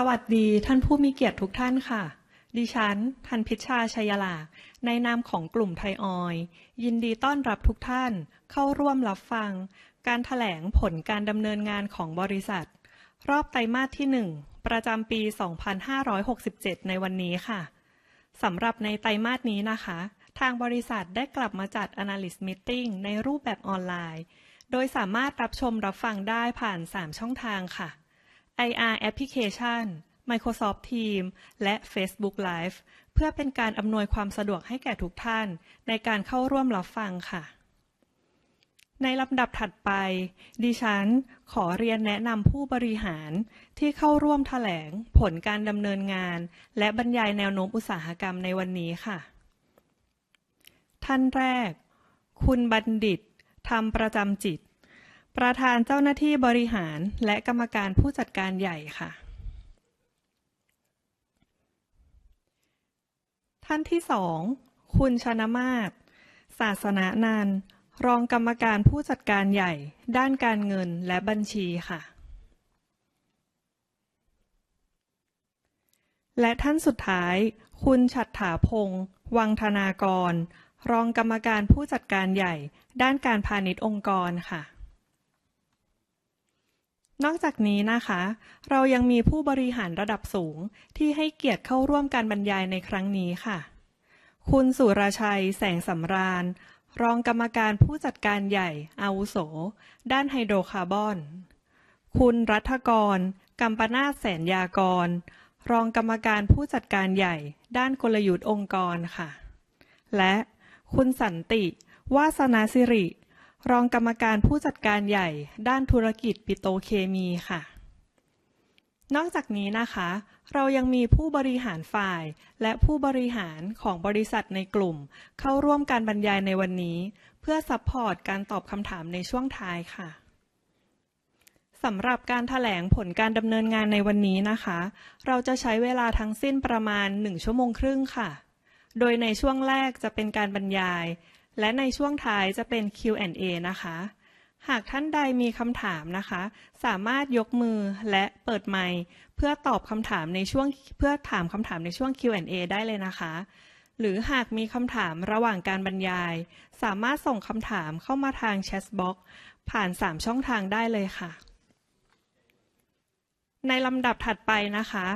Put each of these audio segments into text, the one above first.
สวัสดีท่านผู้มีเกียรติทุกท่านค่ะดิฉันธันพิชชาชัยยะลาในนามของกลุ่มไทยออยล์ยินดีต้อนรับทุกท่านเข้าร่วมรับฟังการแถลงผลการดำเนินงานของบริษัทรอบไตรมาสที่หนึ่งประจำปี2567ในวันนี้ค่ะสำหรับในไตรมาสนี้นะคะทางบริษัทได้กลับมาจัด Analyst Meeting ในรูปแบบออนไลน์โดยสามารถรับชมรับฟังได้ผ่านสามช่องทางค่ะ IR Application, Microsoft Teams และ Facebook Live เพื่อเป็นการอำนวยความสะดวกให้แก่ทุกท่านในการเข้าร่วมรับฟังค่ะในลำดับถัดไปดิฉันขอเรียนแนะนำผู้บริหารที่เข้าร่วมแถลงผลการดำเนินงานและบรรยายแนวโน้มอุตสาหกรรมในวันนี้ค่ะท่านแรกคุณบัณฑิตธรรมประจำจิตประธานเจ้าหน้าที่บริหารและกรรมการผู้จัดการใหญ่ค่ะท่านที่สองคุณชนมาสศาสนันท์รองกรรมการผู้จัดการใหญ่ด้านการเงินและบัญชีค่ะและท่านสุดท้ายคุณฉัตรฐาพงษ์วังธนากรรองกรรมการผู้จัดการใหญ่ด้านการพาณิชย์องค์กรค่ะนอกจากนี้นะคะเรายังมีผู้บริหารระดับสูงที่ให้เกียรติเข้าร่วมการบรรยายในครั้งนี้ค่ะคุณสุรชัยแสงสำราญรองกรรมการผู้จัดการใหญ่อาวุโสด้านไฮโดรคาร์บอ น, คุณรัฐกรกัมปนาทแสนยากรรองกรรมการผู้จัดการใหญ่ด้านกลยุทธ์องค์กรค่ะและคุณสันติวาสนศิริรองกรรมการผู้จัดการใหญ่ด้านธุรกิจปิโตรเคมีค่ะนอกจากนี้นะคะเรายังมีผู้บริหารฝ่ายและผู้บริหารของบริษัทในกลุ่มเข้าร่วมการบรรยายในวันนี้เพื่อซัพพอร์ตการตอบคำถามในช่วงท้ายค่ะสำหรับการแถลงผลการดำเนินงานในวันนี้นะคะเราจะใช้เวลาทั้งสิ้นประมาณหนึ่งชั่วโมงครึ่งค่ะโดยในช่วงแรกจะเป็นการบรรยายและในช่วงท้ายจะเป็น Q&A นะคะหากท่านใดมีคำถามนะคะสามารถยกมือและเปิดไมค์เพื่อตอบคำถามในช่วงเพื่อถามคำถามในช่วง Q&A ได้เลยนะคะหรือหากมีคำถามระหว่างการบรรยายสามารถส่งคำถามเข้ามาทาง Chatbox ผ่านสามช่องทางได้เลยค่ะในลำดับถัดไปนะคะ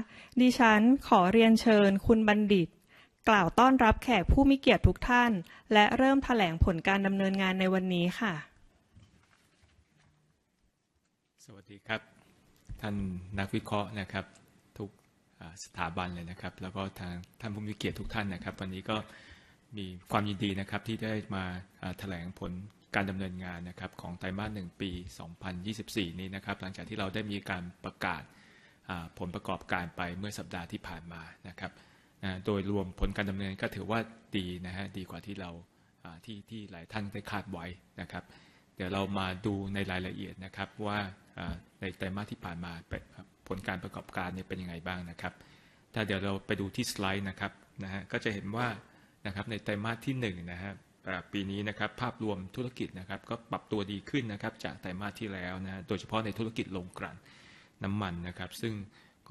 ดิฉันขอเรียนเชิญคุณบัณฑิตกล่าวต้อนรับแขกผู้มีเกียรติทุกท่านและเริ่มแถลงผลการดำเนินงานในวันนี้ค่ะสวัสดีครับท่านนักวิเคราะห์นะครับทุกสถาบันเลยนะครับแล้วก็ทางท่านผู้มีเกียรติทุกท่านนะครับวันนี้ก็มีความยินดีนะครับที่ได้มาแถลงผลการดำเนินงานนะครับของไตรมาสหนึ่งปี2024นี้นะครับหลังจากที่เราได้มีการประกาศผลประกอบการไปเมื่อสัปดาห์ที่ผ่านมานะครับโดยรวมผลการดำเนินก็ถือว่าดีนะฮะดีกว่าที่เราที่หลายท่านได้คาดไว้นะครับเดี๋ยวเรามาดูในรายละเอียดนะครับว่าในไตรมาสที่ผ่านมาผลการประกอบการเป็นอย่างไรบ้างนะครับถ้าเดี๋ยวเราไปดูที่สไลด์นะครับนะฮะก็จะเห็นว่านะครับในไตรมาสที่หนึ่งนะฮะปีนี้นะครับภาพรวมธุรกิจนะครับก็ปรับตัวดีขึ้นนะครับจากไตรมาสที่แล้วนะฮะโดยเฉพาะในธุรกิจโรงกลั่นน้ำมันนะครั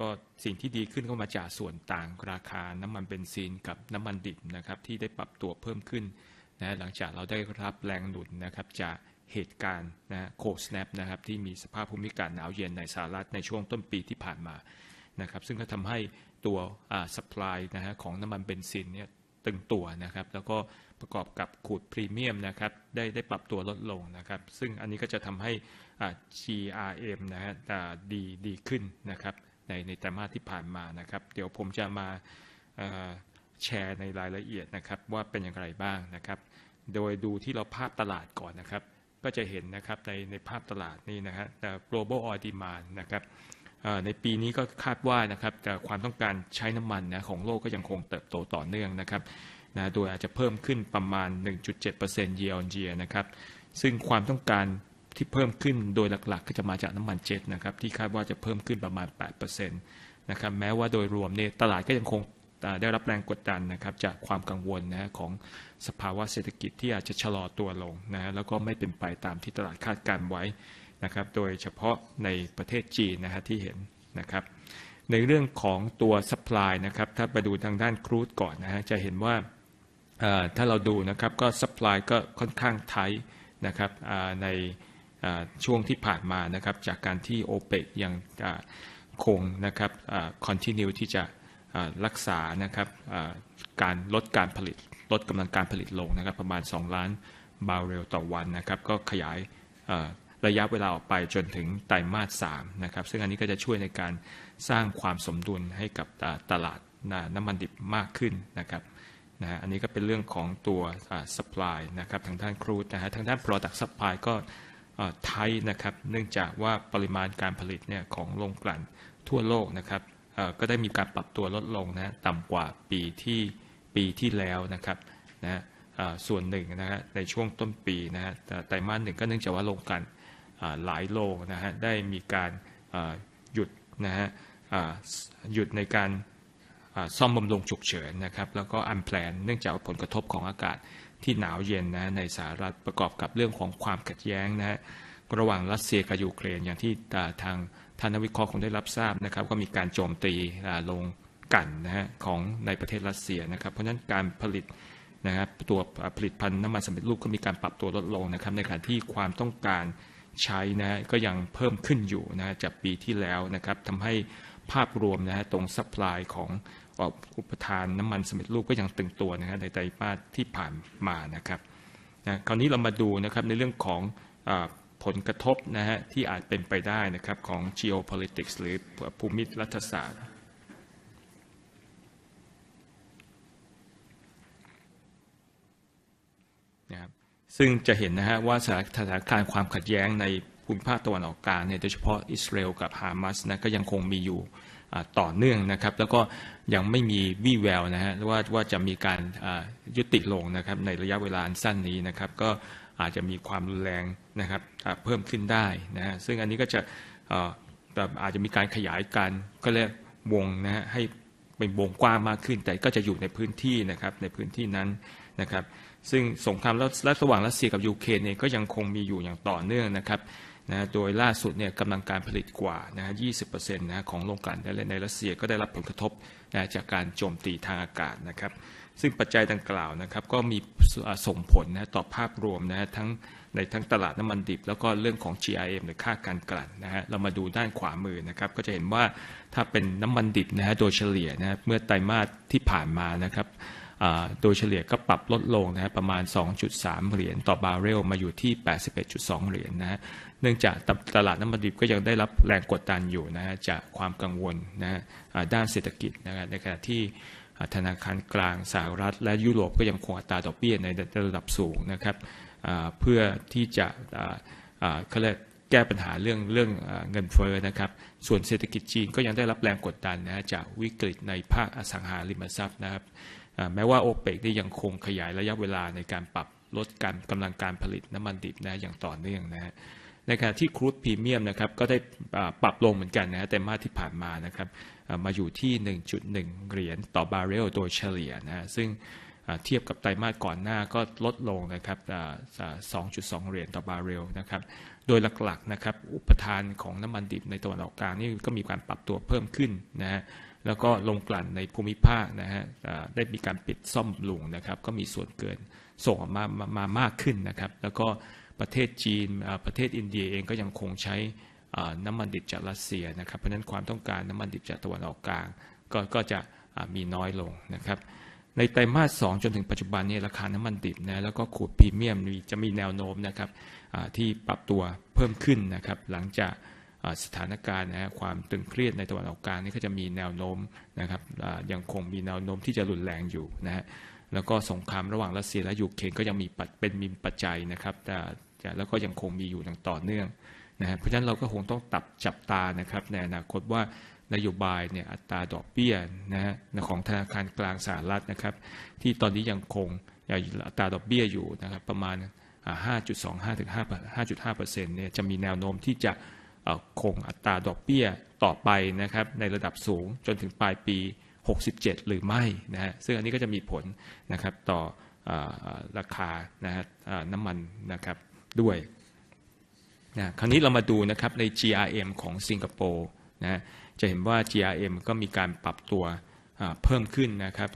บซึ่งก็สิ่งที่ดีขึ้นก็มาจากส่วนต่างราคาน้ำมันเบนซินกับน้ำมันดิบนะครับที่ได้ปรับตัวเพิ่มขึ้นนะหลังจากเราได้รับแรงหนุนนะครับจากเหตุการณ์นะฮะ Cold Snap นะครับที่มีสภาพภูมิอากาศหนาวเย็นในสหรัฐในช่วงต้นปีที่ผ่านมานะครับซึ่งก็ทำให้ตัว Supply นะฮะของน้ำมันเบนซินเนี่ยตึงตัวนะครับแล้วก็ประกอบกับครูดพรีเมียมนะครับได้ปรับตัวลดลงนะครับซึ่งอันนี้ก็จะทำให้ GRM นะฮะดีขึ้นนะครับในไตรมาสที่ผ่านมานะครับเดี๋ยวผมจะมาแชร์ในรายละเอียดนะครับว่าเป็นอย่างไรบ้างนะครับโดยดูที่เราภาพตลาดก่อนนะครับก็จะเห็นนะครับในภาพตลาดนี่นะฮะ Global Oil Demand นะครับในปีนี้ก็คาดว่านะครับความต้องการใช้น้ำมันของโลกก็ยังคงเติบโตต่อเนื่องนะครับโดยอาจจะเพิ่มขึ้นประมาณ 1.7% Year on Year นะครับซึ่งความต้องการที่เพิ่มขึ้นโดยหลักๆก็จะมาจากน้ำมันเจ็ทนะครับที่คาดว่าจะเพิ่มขึ้นประมาณ 8% นะครับแม้ว่าโดยรวมเนี่ยตลาดก็ยังคงได้รับแรงกดดันนะครับจากความกังวลนะฮะของสภาวะเศรษฐกิจที่อาจจะชะลอตัวลงนะฮะแล้วก็ไม่เป็นไปตามที่ตลาดคาดการณ์ไว้นะครับโดยเฉพาะในประเทศจีนนะฮะที่เห็นนะครับในเรื่องของตัว Supply นะครับถ้ามาดูทางด้านครูดก่อนนะฮะจะเห็นว่า Supply ก็ค่อนข้างไทป์นะครับในช่วงที่ผ่านมานะครับจากการที่โอเปกยังคงนะครับ Continue ที่จะรักษานะครับการลดการผลิตลดกำลังการผลิตลงนะครับประมาณ2ล้านบาร์เรลต่อวันนะครับก็ขยายระยะเวลาออกไปจนถึงไตรมาสสามนะครับซึ่งอันนี้ก็จะช่วยในการสร้างความสมดุลให้กับตลาดน้ำมันดิบมากขึ้นนะครับนะฮะอันนี้ก็เป็นเรื่องของตัว Supply นะครับทางด้านครูดนะฮะทางด้าน Product Supply ก็ไทป์นะครับเนื่องจากว่าปริมาณการผลิตของโรงกลั่นทั่วโลกนะครับก็ได้มีการปรับตัวลดลงนะฮะต่ำกว่าปีที่แล้วนะครับนะฮะส่วนหนึ่งนะฮะในช่วงต้นปีนะฮะไตรมาสหนึ่งก็เนื่องจากว่าโรงกลั่นหลายโรงนะฮะได้มีการหยุดนะฮะในกา ร... อ่าซ่อมบำรุงฉุกเฉินนะครับแล้วก็ unplan เนื่องจากผลกระทบของอากาศที่หนาวเย็นนะฮะในสหรัฐประกอบกับเรื่องของความขัดแย้งนะฮะระหว่างรัสเซียกับยูเครนอย่างที่ทางท่านนักวิเคราะห์คงได้รับทราบนะครับก็มีการโจมตีอ่าโรงกลั่นนะฮะของในประเทศรัสเซียนะครับเพราะฉะนั้นการผลิตนะฮะตัวผลิตภัณฑ์น้ำมันสำเร็จรูปก็มีการปรับตัวลดลงนะครับในขณะที่ความต้องการใช้นะฮะก็ยังเพิ่มขึ้นอยู่นะฮะจากปีที่แล้วนะครับทำให้ภาพรวมนะฮะตรงซัพพลายของอ่าอุปทานน้ำมันสำเร็จรูปก็ยังตึงตัวนะฮะในไตรมาสที่ผ่านมานะครับนะคราวนี้เรามาดูนะครับในเรื่องของเอ่อผลกระทบนะฮะที่อาจเป็นไปได้นะครับของ Geopolitics หรือภูมิรัฐศาสตร์นะครับซึ่งจะเห็นนะฮะว่าสถานการณ์ความขัดแย้งในภูมิภาคตะวันออกกลางเนี่ยโดยเฉพาะอิสราเอลกับฮามาสนะก็ยังคงมีอยู่ต่อเนื่องนะครับแล้วก็ยังไม่มีวี่แววนะฮะว่าจะมีการอ่ายุติลงนะครับในระยะเวลาอันสั้นนี้นะครับก็อาจจะมีความรุนแรงนะครับเพิ่มขึ้นได้นะฮะซึ่งอันนี้ก็จะเอ่ออาจจะมีการขยายการเข้าเรียกวงนะฮะให้เป็นวงกว้างมากขึ้นแต่ก็จะอยู่ในพื้นที่นะครับในพื้นที่นั้นนะครับซึ่งสงครามระหว่างรัสเซียกับยูเครนเองก็ยังคงมีอยู่อย่างต่อเนื่องนะครับนะฮะโดยล่าสุดเนี่ยกำลังการผลิตกว่านะฮะยี่สิบเปอร์เซ็นต์นะฮะของโรงกลั่นในรัสเซียก็ได้รับผลกระทบนะจากการโจมตีทางอากาศนะครับซึ่งปัจจัยดังกล่าวนะครับก็มีส่งผลนะต่อภาพรวมนะฮะทั้งในทั้งตลาดน้ำมันดิบแล้วก็เรื่องของ GRM หรือค่าการกลั่นนะฮะเรามาดูด้านขวามือนะครับก็จะเห็นว่าถ้าเป็นน้ำมันดิบนะฮะโดยเฉลี่ยนะฮะเมื่อไตรมาสที่ผ่านมานะครับอ่าโดยเฉลี่ยก็ปรับลดลงนะฮะประมาณสองจุดสามเหรียญต่อบาร์เรลมาอยู่ที่แปดสิบเอ็ดจุดสองเหรียญนะฮะเนื่องจากตลาดน้ำมันดิบก็ยังได้รับแรงกดดันอยู่นะฮะจากความกังวลนะฮะด้านเศรษฐกิจนะฮะในขณะที่ธนาคารกลางสหรัฐและยุโรปก็ยังคงอัตราดอกเบี้ยในระดับสูงนะครับอ่าเพื่อที่จะอ่าเข้าเรียกแก้ปัญหาเรื่องเงินเฟ้อนะครับส่วนเศรษฐกิจจีนก็ยังได้รับแรงกดดันนะฮะจากวิกฤตในภาคอสังหาริมทรัพย์นะครับอ่าแม้ว่าโอเปกนี่ยังคงขยายระยะเวลาในการปรับลดการกำลังการผลิตน้ำมันดิบนะอย่างต่อเนื่องนะฮะในขณะที่ครูดพรีเมียมนะครับก็ได้อ่าปรับลงเหมือนกันนะฮะไตรมาสที่ผ่านมานะครับมาอยู่ที่หนึ่งจุดหนึ่งเหรียญต่อบาร์เรลโดยเฉลี่ยนะฮะซึ่งอ่าเทียบกับไตรมาสก่อนหน้าก็ลดลงนะครับอ่าสองจุดสองเหรียญต่อบาร์เรลนะครับโดยหลักๆนะครับอุปทานของน้ำมันดิบในตะวันออกกลางนี่ก็มีการปรับตัวเพิ่มขึ้นนะฮะแล้วก็โรงกลั่นในภูมิภาคนะฮะอ่าได้มีการปิดซ่อมบำรุงนะครับก็มีส่วนเกินส่งออกมามามากขึ้นนะครับแล้วก็ประเทศจีนประเทศอินเดียเองก็ยังคงใช้อ่าน้ำมันดิบจากรัสเซียนะครับเพราะฉะนั้นความต้องการน้ำมันดิบจากตะวันออกกลางก็จะมีน้อยลงนะครับในไตรมาสสองจนถึงปัจจุบันนี้ราคาน้ำมันดิบนะแล้วก็ขูดพรีเมียมจะมีแนวโน้มนะครับอ่าที่ปรับตัวเพิ่มขึ้นนะครับหลังจากสถานการณ์นะฮะความตึงเครียดในตะวันออกกลางนี่ก็จะมีแนวโน้มนะครับอ่ายังคงมีแนวโน้มที่จะรุนแรงอยู่นะฮะแล้วก็สงครามระหว่างรัสเซียและยูเครนก็ยังมีเป็นมีปัจจัยนะครับแต่แล้วก็ยังคงมีอยู่อย่างต่อเนื่องนะฮะเพราะฉะนั้นเราก็คงต้องตัดจับตานะครับในอนาคตว่านโยบายเนี่ยอัตราดอกเบี้ยนะฮะของธนาคารกลางสหรัฐนะครับที่ตอนนี้ยังคงอัตราดอกเบี้ยอยู่นะครับประมาณห้าจุดสองห้าถึงห้าจุดห้าเปอร์เซ็นต์เนี่ยจะมีแนวโน้มที่จะเอ่อคงอัตราดอกเบี้ยต่อไปนะครับในระดับสูงจนถึงปลายปี67หรือไม่นะฮะซึ่งอันนี้ก็จะมีผลนะครับต่อเอ่อราคานะฮะอ่าน้ำมันนะครับด้วยนะคราวนี้เรามาดูนะครับใน GRM ของสิงคโปร์นะฮะจะเห็นว่า GRM ก็มีการปรับตัวอ่าเพิ่มขึ้นนะครับ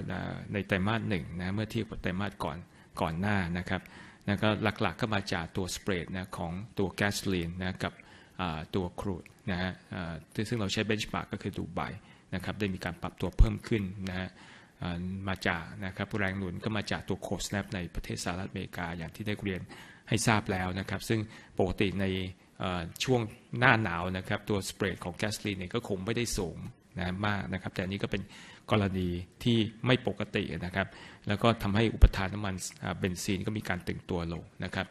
ในไตรมาสหนึ่งนะเมื่อเทียบกับไตรมาสก่อนก่อนหน้านะครับแล้วก็หลักๆก็มาจากตัวสเปรดนะของตัวแก๊สโซฮอล์นะกับอ่าตัวครูดนะฮะอ่าซึ่งเราใช้ Benchmark ก็คือดูไบนะครับได้มีการปรับตัวเพิ่มขึ้นนะฮะอ่ามาจากนะครับแรงหนุนก็มาจากตัว Cold Snap ในประเทศสหรัฐอเมริกาอย่างที่ได้เรียนให้ทราบแล้วนะครับซึ่งปกติในเอ่อช่วงหน้าหนาวนะครับตัวสเปรดของแก๊สโซฮอล์เนี่ยก็คงไม่ได้สูงนะมากนะครับแต่อันนี้ก็เป็นกรณีที่ไม่ปกตินะครับแล้วก็ทำให้อุปทานน้ำมันเบนซินก็มีการตึงตัวลงนะครับ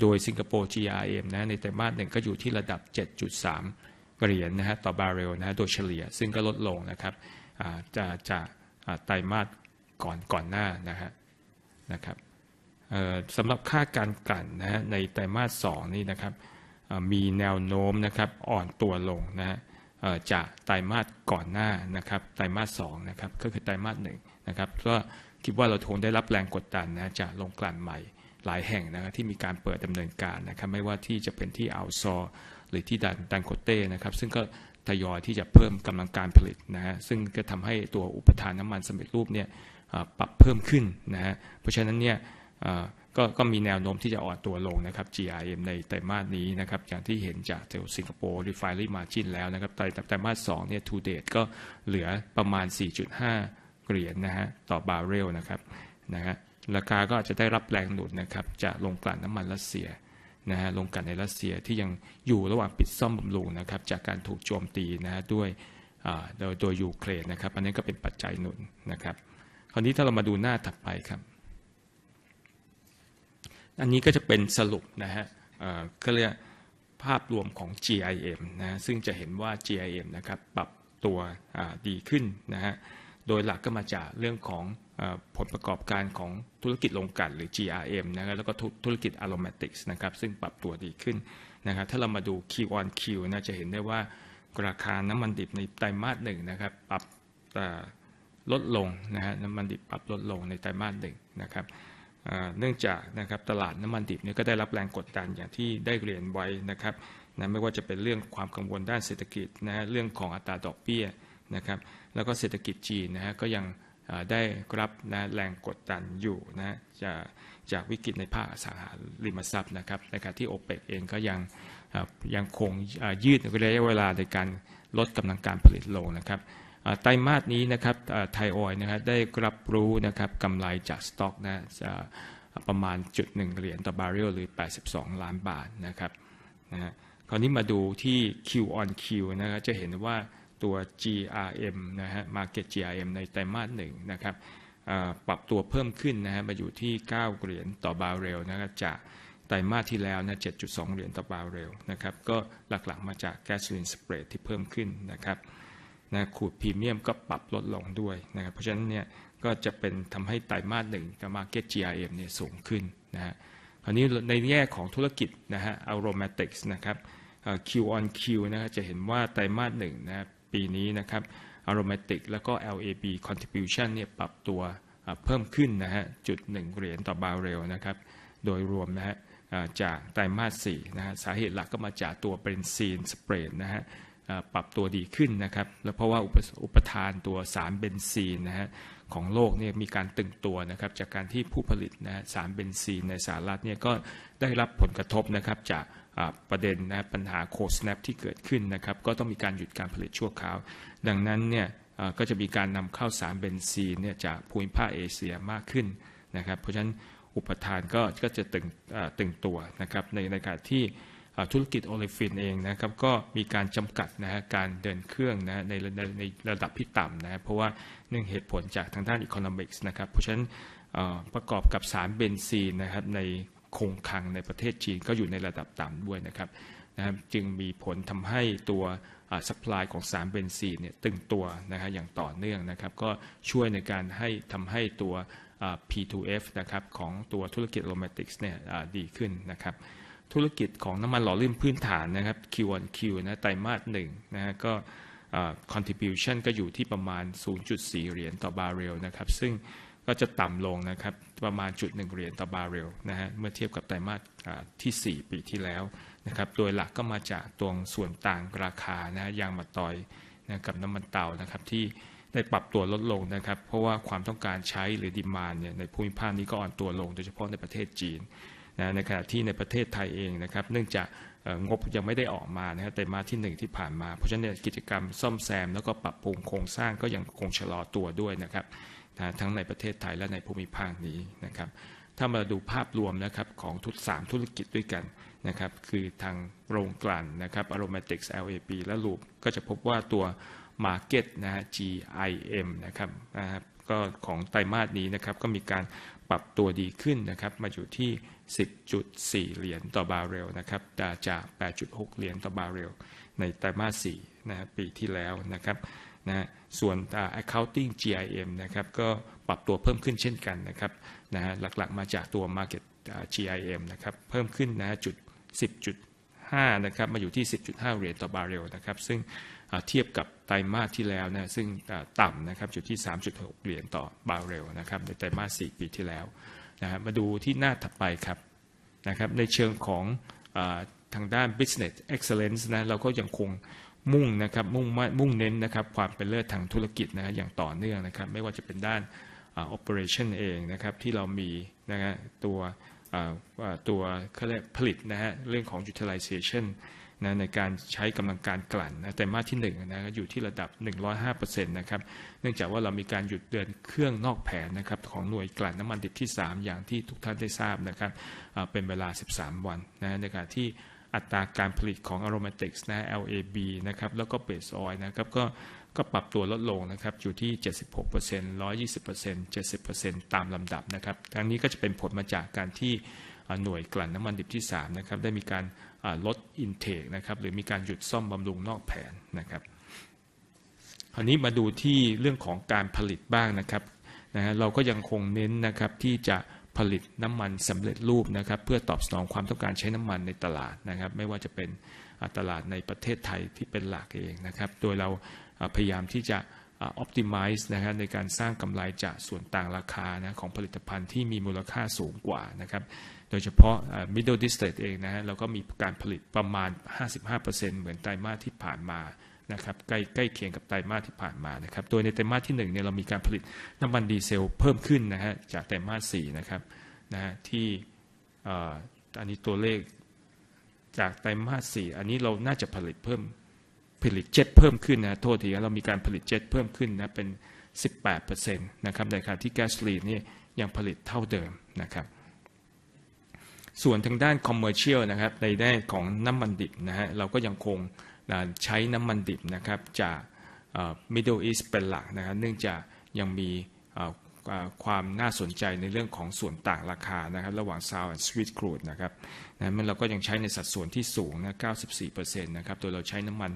โดยสิงคโปร์ GRM นะในไตรมาสหนึ่งก็อยู่ที่ระดับเจ็ดจุดสามเหรียญนะฮะต่อบาร์เรลนะฮะโดยเฉลี่ยซึ่งก็ลดลงนะครับอ่าจากไตรมาสก่อนก่อนหน้านะฮะนะครับเอ่อสำหรับค่าการกลั่นนะฮะในไตรมาสสองนี้นะครับเอ่อมีแนวโน้มนะครับอ่อนตัวลงนะฮะเอ่อจากไตรมาสก่อนหน้านะครับไตรมาสสองนะครับก็คือไตรมาสหนึ่งนะครับก็คิดว่าเราคงได้รับแรงกดดันนะจากโรงกลั่นใหม่หลายแห่งนะที่มีการเปิดดำเนินการนะครับไม่ว่าที่จะเป็นที่อัลซอร์หรือที่ดันโคเต้นะครับซึ่งก็ทยอยที่จะเพิ่มกำลังการผลิตนะฮะซึ่งก็ทำให้ตัวอุปทานน้ำมันสำเร็จรูปเนี่ยอ่าปรับเพิ่มขึ้นนะฮะเพราะฉะนั้นเนี่ยเอ่อก็มีแนวโน้มที่จะอ่อนตัวลงนะครับ GRM ในไตรมาสนี้นะครับอย่างที่เห็นจากสิงคโปร์ Refinery Margin แล้วนะครับไตรมาสสองเนี่ย To Date ก็เหลือประมาณสี่จุดห้าเหรียญนะฮะต่อบาร์เรลนะครับนะฮะราคาก็อาจจะได้รับแรงหนุนนะครับจากโรงกลั่นน้ำมันรัสเซียนะฮะโรงกลั่นในรัสเซียที่ยังอยู่ระหว่างปิดซ่อมบำรุงนะครับจากการถูกโจมตีนะฮะด้วยอ่าโดยตัวยูเครนนะครับอันนั้นก็เป็นปัจจัยหนุนนะครับคราวนี้ถ้าเรามาดูหน้าถัดไปครับอันนี้ก็จะเป็นสรุปนะฮะเอ่อเข้าเรียกภาพรวมของ GRM นะฮะซึ่งจะเห็นว่า GRM นะครับปรับตัวอ่าดีขึ้นนะฮะโดยหลักก็มาจากเรื่องของเอ่อผลประกอบการของธุรกิจโรงกลั่นหรือ GRM นะฮะแล้วก็ธุรกิจ Aromatic นะครับซึ่งปรับตัวดีขึ้นนะฮะถ้าเรามาดู Q on Q นะจะเห็นได้ว่าราคาน้ำมันดิบในไตรมาสหนึ่งนะครับปรับเอ่ อ... ลดลงนะฮะน้ำมันดิบปรับลดลงในไตรมาสหนึ่งนะครับเอ่อเนื่องจากนะครับตลาดน้ำมันดิบเนี่ยก็ได้รับแรงกดดันอย่างที่ได้เรียนไว้นะครับไม่ว่าจะเป็นเรื่องความกังวลด้านเศรษฐกิจนะฮะเรื่องของอัตราดอกเบี้ยนะครับแล้วก็เศรษฐกิจจีนนะฮะก็ยังได้รับนะแรงกดดันอยู่นะฮะจากจากวิกฤตในภาคอสังหาริมทรัพย์นะครับในขณะที่โอเปกเองก็ยังเอ่อยังคงยืดระยะเวลาในการลดกำลังการผลิตลงนะครับเอ่อไตรมาสนี้นะครับเอ่อไทยออยล์นะฮะได้รับรู้นะครับกำไรจากสต็อกนะจะประมาณ 1.1 เหรียญต่อบาร์เรลหรือ82ล้านบาทนะครับนะฮะครั้งนี้มาดูที่ Q on Q นะฮะจะเห็นว่าตัว GRM นะฮะ Market GRM ในไตรมาสหนึ่งนะครับเอ่อปรับตัวเพิ่มขึ้นนะฮะมาอยู่ที่9เหรียญต่อบาร์เรลนะครับจากไตรมาสที่แล้วนะ 7.2 เหรียญต่อบาร์เรลนะครับก็หลักๆมาจาก Gasoline Spread ที่เพิ่มขึ้นนะครับนะ Crude Premium ก็ปรับลดลงด้วยนะครับเพราะฉะนั้นเนี่ยก็จะเป็นทำให้ไตรมาสหนึ่ง The Market GRM เนี่ยสูงขึ้นนะฮะครั้งนี้ในแง่ของธุรกิจนะฮะ Aromatics นะครับเอ่อ Q on Q นะฮะจะเห็นว่าไตรมาสหนึ่งนะฮะปีนี้นะครับ Aromatics แล้วก็ LAB Contribution เนี่ยปรับตัวเพิ่มขึ้นนะฮะ 1.1 เหรียญต่อบาร์เรลนะครับโดยรวมนะฮะเอ่อจากไตรมาสสี่นะฮะสาเหตุหลักก็มาจากตัว Benzene Spread นะฮะเอ่อปรับตัวดีขึ้นนะครับแล้วเพราะว่าอุปอุปทานตัวสารเบนซีนนะฮะของโลกเนี่ยมีการตึงตัวนะครับจากการที่ผู้ผลิตนะฮะสารเบนซีนในสหรัฐฯเนี่ยก็ได้รับผลกระทบนะครับจากเอ่อประเด็นนะปัญหา Cold Snap ที่เกิดขึ้นนะครับก็ต้องมีการหยุดการผลิตชั่วคราวดังนั้นเนี่ยเอ่อก็จะมีการนำเข้าสารเบนซีนเนี่ยจากภูมิภาคเอเชียมากขึ้นนะครับเพราะฉะนั้นอุปทานก็ก็จะตึงเอ่อตึงตัวนะครับในขณะที่ธุรกิจ Olefin เองนะครับก็มีการจำกัดนะฮะการเดินเครื่องนะฮะในในในระดับที่ต่ำนะฮะเพราะว่าเนื่องเหตุผลจากทางด้าน Economics นะครับเพราะฉะนั้นเอ่อประกอบกับสารเบนซีนนะครับในคงคลังในประเทศจีนก็อยู่ในระดับต่ำด้วยนะครับนะฮะจึงมีผลทำให้ตัวอ่า Supply ของสารเบนซีนเนี่ยตึงตัวนะฮะอย่างต่อเนื่องนะครับก็ช่วยในการให้ทำให้ตัวเอ่อ P2F นะครับของตัวธุรกิจ Aromatics เนี่ยอ่าดีขึ้นนะครับธุรกิจของน้ำมันหล่อลื่นพื้นฐานนะครับ Q on Q นะไตรมาสหนึ่งนะฮะก็เอ่อ Contribution ก็อยู่ที่ประมาณ 0.4 เหรียญต่อบาร์เรลนะครับซึ่งก็จะต่ำลงนะครับประมาณ 1.1 เหรียญต่อบาร์เรลนะฮะเมื่อเทียบกับไตรมาสเอ่อที่สี่ปีที่แล้วนะครับโดยหลักก็มาจากตรงส่วนต่างราคานะฮะยางมะตอยนะกับน้ำมันเตานะครับที่ได้ปรับตัวลดลงนะครับเพราะว่าความต้องการใช้หรือ Demand เนี่ยในภูมิภาคนี้ก็อ่อนตัวลงโดยเฉพาะในประเทศจีนนะในขณะที่ในประเทศไทยเองนะครับเนื่องจากเอ่องบยังไม่ได้ออกมานะฮะไตรมาสที่หนึ่งที่ผ่านมาเพราะฉะนั้นเนี่ยกิจกรรมซ่อมแซมแล้วก็ปรับปรุงโครงสร้างก็ยังคงชะลอตัวด้วยนะครับทั้งในประเทศไทยและในภูมิภาคนี้นะครับถ้ามาดูภาพรวมนะครับของทุกสามธุรกิจด้วยกันนะครับคือทางโรงกลั่นนะครับ Aromatics, LAB และ Lube ก็จะพบว่าตัว Market นะฮะ GRM นะครับนะฮะก็ของไตรมาสนี้นะครับก็มีการปรับตัวดีขึ้นนะครับมาอยู่ที่ 10.4 เหรียญต่อบาร์เรลนะครับจาก 8.6 เหรียญต่อบาร์เรลในไตรมาสสี่นะฮะปีที่แล้วนะครับนะฮะส่วน Accounting GRM นะครับก็ปรับตัวเพิ่มขึ้นเช่นกันนะครับนะฮะหลักๆมาจากตัว Market GRM นะครับเพิ่มขึ้นนะฮะ 10.5 นะครับมาอยู่ที่ 10.5 เหรียญต่อบาร์เรลนะครับซึ่งอ่าเทียบกับไตรมาสที่แล้วนะซึ่งเอ่อต่ำนะครับอยู่ที่ 3.6 เหรียญต่อบาร์เรลนะครับในไตรมาสสี่ปีที่แล้วนะฮะมาดูที่หน้าถัดไปครับนะครับในเชิงของเอ่อทางด้าน Business Excellence นะเราก็ยังคงมุ่งนะครับมุ่งมั่นมุ่งเน้นนะครับความเป็นเลิศทางธุรกิจนะฮะอย่างต่อเนื่องนะครับไม่ว่าจะเป็นด้านเอ่อ Operation เองนะครับที่เรามีนะฮะตัวเอ่อเอ่อตัวเขาเรียกผลิตนะฮะเรื่องของ Utilization นะในการใช้กำลังการกลั่นนะไตรมาสที่หนึ่งนะอยู่ที่ระดับ 105% นะครับเนื่องจากว่าเรามีการหยุดเดินเครื่องนอกแผนนะครับของหน่วยกลั่นน้ำมันดิบที่สามอย่างที่ทุกท่านได้ทราบนะครับเอ่อเป็นเวลา13วันนะในขณะที่อัตราการผลิตของ Aromatics นะ LAB นะครับแล้วก็ Base Oil นะครับก็ก็ปรับตัวลดลงนะครับอยู่ที่ 76%, 120%, 70% ตามลำดับนะครับทั้งนี้ก็จะเป็นผลมาจากการที่หน่วยกลั่นน้ำมันดิบที่สามนะครับได้มีการอ่าลด Intake นะครับหรือมีการหยุดซ่อมบำรุงนอกแผนนะครับครั้งนี้มาดูที่เรื่องของการผลิตบ้างนะครับนะฮะเราก็ยังคงเน้นนะครับที่จะผลิตน้ำมันสำเร็จรูปนะครับเพื่อตอบสนองความต้องการใช้น้ำมันในตลาดนะครับไม่ว่าจะเป็นอ่าตลาดในประเทศไทยที่เป็นหลักเองนะครับโดยเราพยายามที่จะอ่า Optimize นะฮะในการสร้างกำไรจากส่วนต่างราคานะของผลิตภัณฑ์ที่มีมูลค่าสูงกว่านะครับโดยเฉพาะ Middle Distillate เองนะฮะเราก็มีการผลิตประมาณ 55% เหมือนไตรมาสที่ผ่านมานะครับใกล้ใกล้เคียงกับไตรมาสที่ผ่านมานะครับโดยในไตรมาสที่หนึ่งเนี่ยเรามีการผลิตน้ำมันดีเซลเพิ่มขึ้นนะฮะจากไตรมาสสี่นะครับนะฮะที่เอ่ออันนี้ตัวเลขจากไตรมาสสี่อันนี้เราน่าจะผลิตเพิ่มผลิต Jet เพิ่มขึ้นนะฮะโทษทีเรามีการผลิต Jet เพิ่มขึ้นนะเป็น 18% นะครับในขณะที่ Gasoline นี่ยังผลิตเท่าเดิมนะครับส่วนทางด้าน Commercial นะครับในด้านของน้ำมันดิบนะฮะเราก็ยังคงใช้น้ำมันดิบนะครับจากเอ่อ Middle East เป็นหลักนะฮะเนื่องจากยังมีเอ่อเอ่อความน่าสนใจในเรื่องของส่วนต่างราคานะครับระหว่าง Sour และ Sweet Crude นะครับงั้นเราก็ยังใช้ในสัดส่วนที่สูงนะ 94% นะครับโดยเราใช้น้ำมัน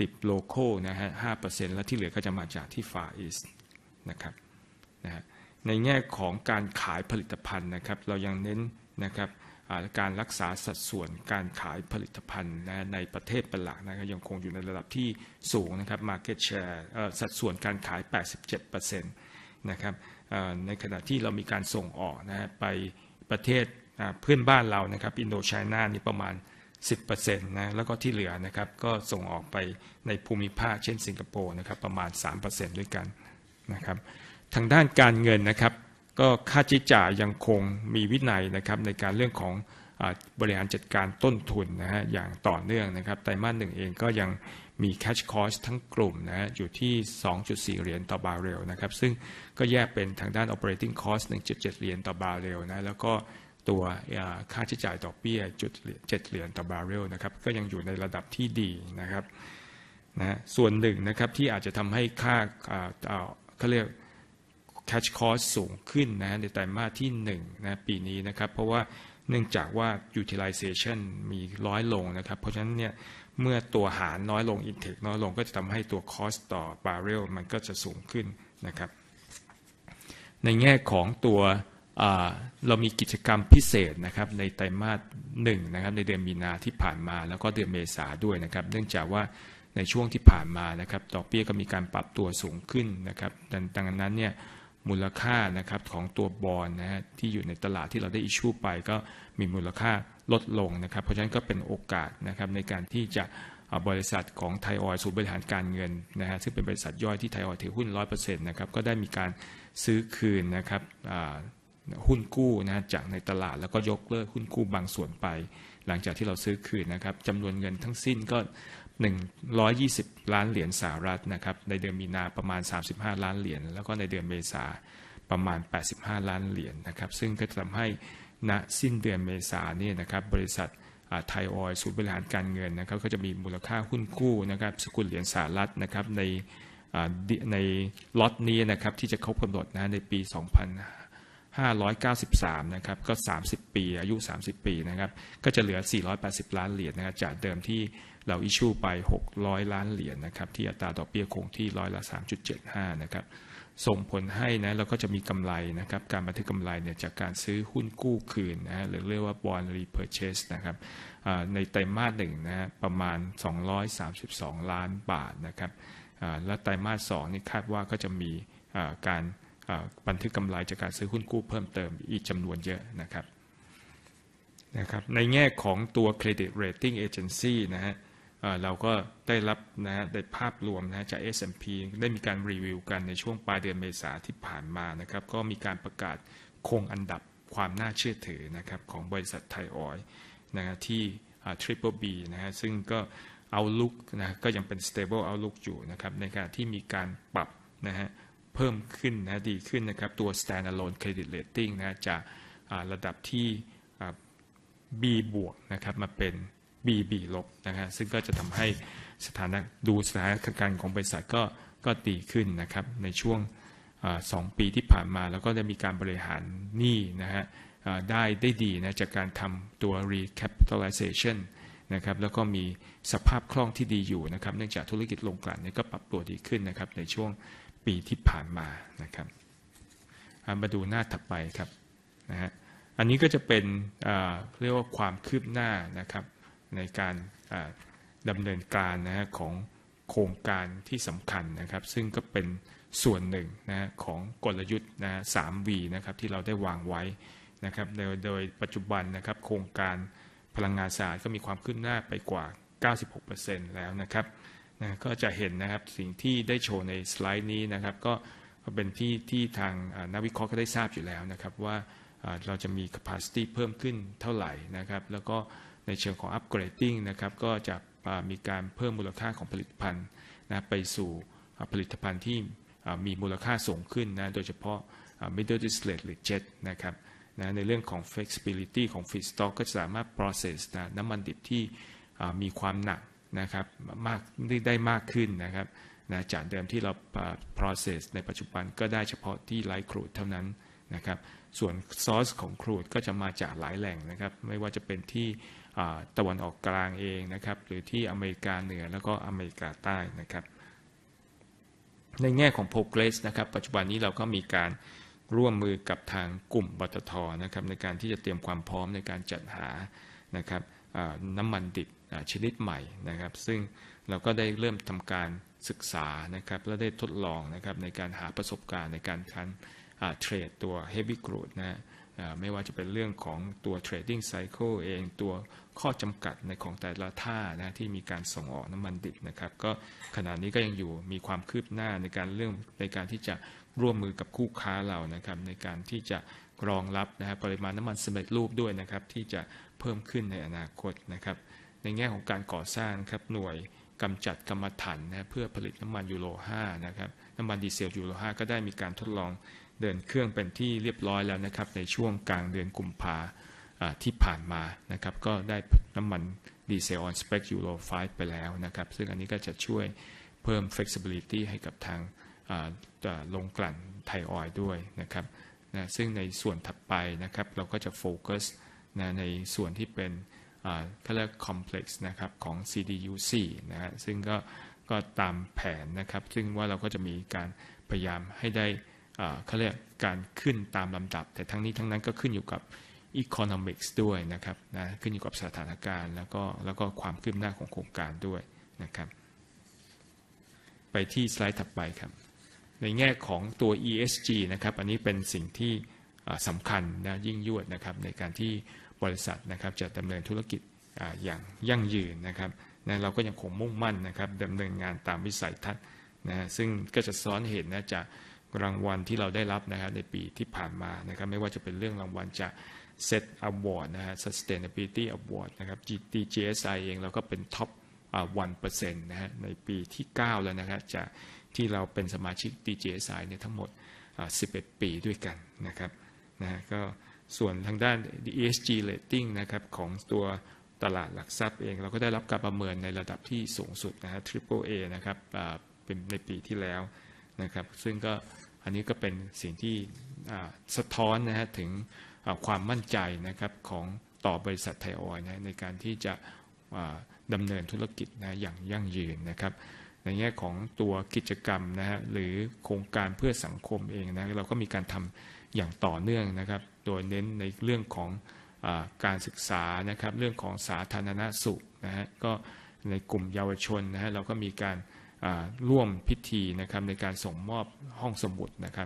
ดิบ Local นะฮะ 5% และที่เหลือก็จะมาจากที่ Far East นะครับในแง่ของการขายผลิตภัณฑ์ครับเรายังเน้นครับการรักษาสัดส่วนการขายผลิตภัณฑ์ในประเทศเป็นหลักยังคงอยู่ในระดับที่สูงครับ Market Share สัดส่วนการขาย 87% ครับในขณะที่เรามีการส่งออกไปประเทศเพื่อนบ้านเราครับอินโดไชน่าประมาณ 10% แล้วก็ที่เหลือครับก็ส่งออกไปในภูมิภาคเช่นสิงคโปร์ครับประมาณ 3% ด้วยกันครับทางด้านการเงินครับก็ค่าใช้จ่ายยังคงมีวินัยครับในการเรื่องของบริหารจัดการต้นทุนอย่างต่อเนื่องครับไตรมาสหนึ่งเองก็ยังมี Cash Cost ทั้งกลุ่มอยู่ที่ $2.4 ต่อบาร์เรลครับซึ่งก็แยกเป็นทางด้าน Operating Cost $1.7 ต่อบาร์เรลแล้วก็ตัวค่าใช้จ่ายดอกเบี้ย $0.7 ต่อบาร์เรลครับก็ยังอยู่ในระดับที่ดีครับส่วนหนึ่งครับที่อาจจะทำให้ค่า Cash Cost สูงขึ้นในไตรมาสที่หนึ่งปีนี้ครับเพราะว่าเนื่องจากว่า Utilization มีน้อยลงครับเพราะฉะนั้นเมื่อตัวหารน้อยลง Intake น้อยลงก็จะทำให้ตัว Cost ต่อบาร์เรลมันก็จะสูงขึ้นครับในแง่ของตัวเรามีกิจกรรมพิเศษครับในไตรมาสหนึ่งครับในเดือนมีนาคมที่ผ่านมาแล้วก็เดือนเมษายนด้วยครับเนื่องจากว่าในช่วงที่ผ่านมาครับดอกเบี้ยก็มีการปรับตัวสูงขึ้นครับดังนั้นมูลค่าครับของตัว Bond ที่อยู่ในตลาดที่เราได้ Issue ไปก็มีมูลค่าลดลงครับเพราะฉะนั้นก็เป็นโอกาสครับในการที่จะบริษัทของไทยออยล์ศูนย์บริหารการเงินซึ่งเป็นบริษัทย่อยที่ไทยออยล์ถือหุ้น 100% ครับก็ได้มีการซื้อคืนครับหุ้นกู้จากในตลาดแล้วก็ยกเลิกหุ้นกู้บางส่วนไปหลังจากที่เราซื้อคืนครับจำนวนเงินทั้งสิ้นก็ $120 ล้านครับในเดือนมีนาคมประมาณ $35 ล้านแล้วก็ในเดือนเมษายนประมาณ $85 ล้านครับซึ่งก็จะทำให้ณสิ้นเดือนเมษายนครับบริษัทไทยออยล์ศูนย์บริหารการเงินครับก็จะมีมูลค่าหุ้นกู้ครับสกุลเหรียญสหรัฐครับในล็อตนี้ครับที่จะครบกำหนดในปี2593ครับก็สามสิบปีอายุสามสิบปีครับก็จะเหลือ $480 ล้านจากเดิมที่เรา Issue ไป $600 ล้านครับที่อัตราดอกเบี้ยคงที่ 3.75% ครับส่งผลให้เราก็จะมีกำไรครับการบันทึกกำไรจากการซื้อหุ้นกู้คืนหรือเรียกว่า Bond Repurchase ครับในไตรมาสหนึ่งประมาณ฿232ล้านครับและไตรมาสสองนี้คาดว่าก็จะมีการบันทึกกำไรจากการซื้อหุ้นกู้เพิ่มเติมอีกจำนวนเยอะครับในแง่ของตัว Credit Rating Agency เราก็ได้รับในภาพรวมจาก S&P ได้มีการรีวิวกันในช่วงปลายเดือนเมษายนที่ผ่านมาครับก็มีการประกาศคงอันดับความน่าเชื่อถือครับของบริษัทไทยออยล์ที่ BBB ซึ่งก็ Outlook ก็ยังเป็น Stable Outlook อยู่ครับในขณะที่มีการปรับเพิ่มขึ้นดีขึ้นครับตัว Standalone Credit Rating จากระดับที่ BB+ ครับมาเป็น BB- ซึ่งก็จะทำให้สถานะดูสถานการณ์ของบริษัทก็ดีขึ้นครับในช่วงสองปีที่ผ่านมาเราก็ได้มีการบริหารหนี้ได้ดีจากการทำตัว Recapitalization ครับแล้วก็มีสภาพคล่องที่ดีอยู่ครับเนื่องจากธุรกิจโรงกลั่นนี้ก็ปรับตัวดีขึ้นครับในช่วงปีที่ผ่านมาครับมาดูหน้าถัดไปครับอันนี้ก็จะเป็นความคืบหน้าครับในการดำเนินการของโครงการที่สำคัญครับซึ่งก็เป็นส่วนหนึ่งของกลยุทธ์สามวีครับที่เราได้วางไว้ครับโดยปัจจุบันครับโครงการพลังงานสะอาดก็มีความคืบหน้าไปกว่า 96% แล้วครับก็จะเห็นครับสิ่งที่ได้โชว์ในสไลด์นี้ครับก็เป็นที่ที่ทางนักวิเคราะห์ก็ได้ทราบอยู่แล้วครับว่าเราจะมี Capacity เพิ่มขึ้นเท่าไหร่ครับแล้วก็ในเชิงของ Upgrading ครับก็จะมีการเพิ่มมูลค่าของผลิตภัณฑ์ไปสู่ผลิตภัณฑ์ที่มีมูลค่าสูงขึ้นโดยเฉพาะ Middle Distillate หรือ Jet ครับในเรื่องของ Flexibility ของ Feedstock ก็จะสามารถ Process น้ำมันดิบที่มีความหนักได้มากขึ้นครับจากเดิมที่เรา Process ในปัจจุบันก็ได้เฉพาะที่ Light Crude เท่านั้นครับส่วน Source ของ Crude ก็จะมาจากหลายแหล่งครับไม่ว่าจะเป็นที่ตะวันออกกลางเองครับหรือที่อเมริกาเหนือแล้วก็อเมริกาใต้ครับในแง่ของ Progress ครับปัจจุบันนี้เราก็มีการร่วมมือกับทางกลุ่มปต ท. ครับในการที่จะเตรียมความพร้อมในการจัดหาครับน้ำมันดิบชนิดใหม่ครับซึ่งเราก็ได้เริ่มทำการศึกษาครับและได้ทดลองครับในการหาประสบการณ์ในการทำการเทรดตัว Heavy Crude ครับไม่ว่าจะเป็นเรื่องของตัว Trading Cycle เองตัวข้อจำกัดในของแต่ละท่าที่มีการส่งออกน้ำมันดิบครับก็ขณะนี้ก็ยังอยู่มีความคืบหน้าในการเริ่มในการที่จะร่วมมือกับคู่ค้าเราครับในการที่จะรองรับปริมาณน้ำมันสำเร็จรูปด้วยครับที่จะเพิ่มขึ้นในอนาคตครับในแง่ของการก่อสร้างครับหน่วยกำจัดกำมะถันเพื่อผลิตน้ำมันยูโรห้าครับน้ำมันดีเซลยูโรห้าก็ได้มีการทดลองเดินเครื่องเป็นที่เรียบร้อยแล้วครับในช่วงกลางเดือนกุมภาพันธ์ที่ผ่านมาครับก็ได้น้ำมันดีเซล On Spec Euro V ไปแล้วครับซึ่งอันนี้ก็จะช่วยเพิ่ม Flexibility ให้กับทางโรงกลั่นไทยออยล์ด้วยครับซึ่งในส่วนถัดไปครับเราก็จะโฟกัสในส่วนที่เป็นเขาเรียก Complex ครับของ CDU4 ซึ่งก็ตามแผนครับซึ่งว่าเราก็จะมีการพยายามให้ได้เขาเรียกการขึ้นตามลำดับแต่ทั้งนี้ทั้งนั้นก็ขึ้นอยู่กับ Economics ด้วยครับขึ้นอยู่กับสถานการณ์แล้วก็ความคืบหน้าของโครงการด้วยครับไปที่สไลด์ถัดไปครับในแง่ของตัว ESG นะครับอันนี้เป็นสิ่งที่สำคัญนะยิ่งยวดนะครับในการที่บริษัทนะครับจะดำเนินธุรกิจอย่างยั่งยืนนะครับและเราก็ยังคงมุ่งมั่นนะครับดำเนินงานตามวิสัยทัศน์นะฮะซึ่งก็จะสะท้อนให้เห็นนะจากรางวัลที่เราได้รับนะฮะในปีที่ผ่านมานะครับไม่ว่าจะเป็นเรื่องรางวัลจาก SET Award นะฮะ Sustainability Award นะครับ DJSI เองเราก็เป็น Top One Percent นะฮะในปีที่เก้าแล้วนะฮะจากที่เราเป็นสมาชิก DJSI เนี่ยทั้งหมดสิบเอ็ดปีด้วยกันนะครับนะฮะก็ส่วนทางด้าน ESG Rating นะครับของตัวตลาดหลักทรัพย์เองเราก็ได้รับการประเมินในระดับที่สูงสุดนะฮะ Triple A นะครับอ่าเป็นในปีที่แล้วนะครับซึ่งก็อันนี้ก็เป็นสิ่งที่สะท้อนนะฮะถึงความมั่นใจนะครับของต่อบริษัทไทยออยล์นะในการที่จะดำเนินธุรกิจนะอย่างยั่งยืนนะครับในแง่ของตัวกิจกรรมนะฮะหรือโครงการเพื่อสังคมเองนะเราก็มีการทำอย่างต่อเนื่องนะครับโดยเน้นในเรื่องของการศึกษานะครับเรื่องของสาธารณสุขนะฮะก็ในกลุ่มเยาวชนนะฮะเราก็มีการร่วมพิธีนะครับในการส่งมอบห้องสมุดนะครั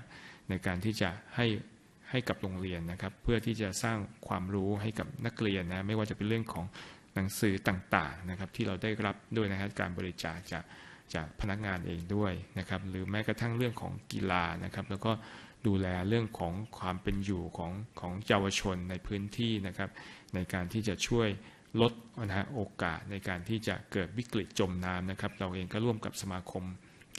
บในการที่จะให้ให้กับโรงเรียนนะครับเพื่อที่จะสร้างความรู้ให้กับนักเรียนนะไม่ว่าจะเป็นเรื่องของหนังสือต่างๆนะครับที่เราได้รับด้วยนะฮะการบริจาคจากจากพนักงานเองด้วยนะครับหรือแม้กระทั่งเรื่องของกีฬานะครับแล้วก็ดูแลเรื่องของความเป็นอยู่ของของเยาวชนในพื้นที่นะครับในการที่จะช่วยลดนะฮะโอกาสในการที่จะเกิดวิกฤตจมน้ำนะครับเราเอ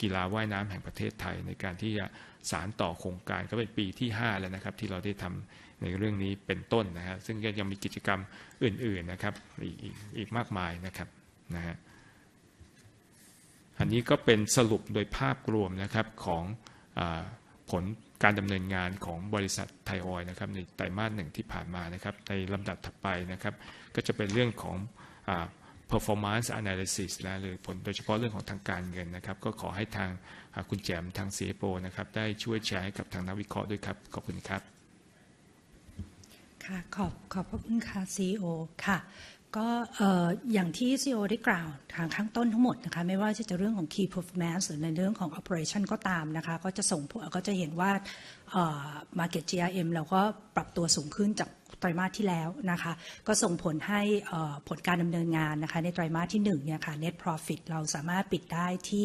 งก็ร่วมกับสมาคมกีฬาว่ายน้ำแห่งประเทศไทยในการที่จะสานต่อโครงการก็เป็นปีที่ห้าแล้วนะครับที่เราได้ทำในเรื่องนี้เป็นต้นนะฮะซึ่งก็ยังมีกิจกรรมอื่นๆนะครับอีกอีกมากมายนะครับนะฮะอันนี้ก็เป็นสรุปโดยภาพรวมนะครับของผลการดำเนินงานของบริษัทไทยออยล์นะครับในไตรมาสหนึ่งที่ผ่านมานะครับในลำดับถัดไปนะครับก็จะเป็นเรื่องของ Performance Analysis นะหรือผลโดยเฉพาะเรื่องของทางการเงินนะครับก็ขอให้ทางคุณแจ่มทาง CFO นะครับได้ช่วยแชร์ให้กับทางนักวิเคราะห์ด้วยครับขอบคุณครับค่ะขอบขอบพระคุณค่ะ CEO ค่ะก็เอ่ออย่างที่ CEO ได้กล่าวทางข้างต้นทั้งหมดนะคะไม่ว่าจะเป็นเรื่องของ Key Performance หรือในเรื่องของ Operation ก็ตามนะคะก็จะส่งผลก็จะเห็นว่าเอ่อ Market GRM เราก็ปรับตัวสูงขึ้นจากไตรมาสที่แล้วนะคะก็ส่งผลให้เอ่อผลการดำเนินงานนะคะในไตรมาสที่หนึ่งนี่ยค่ะ Net Profit เราสามารถปิดได้ที่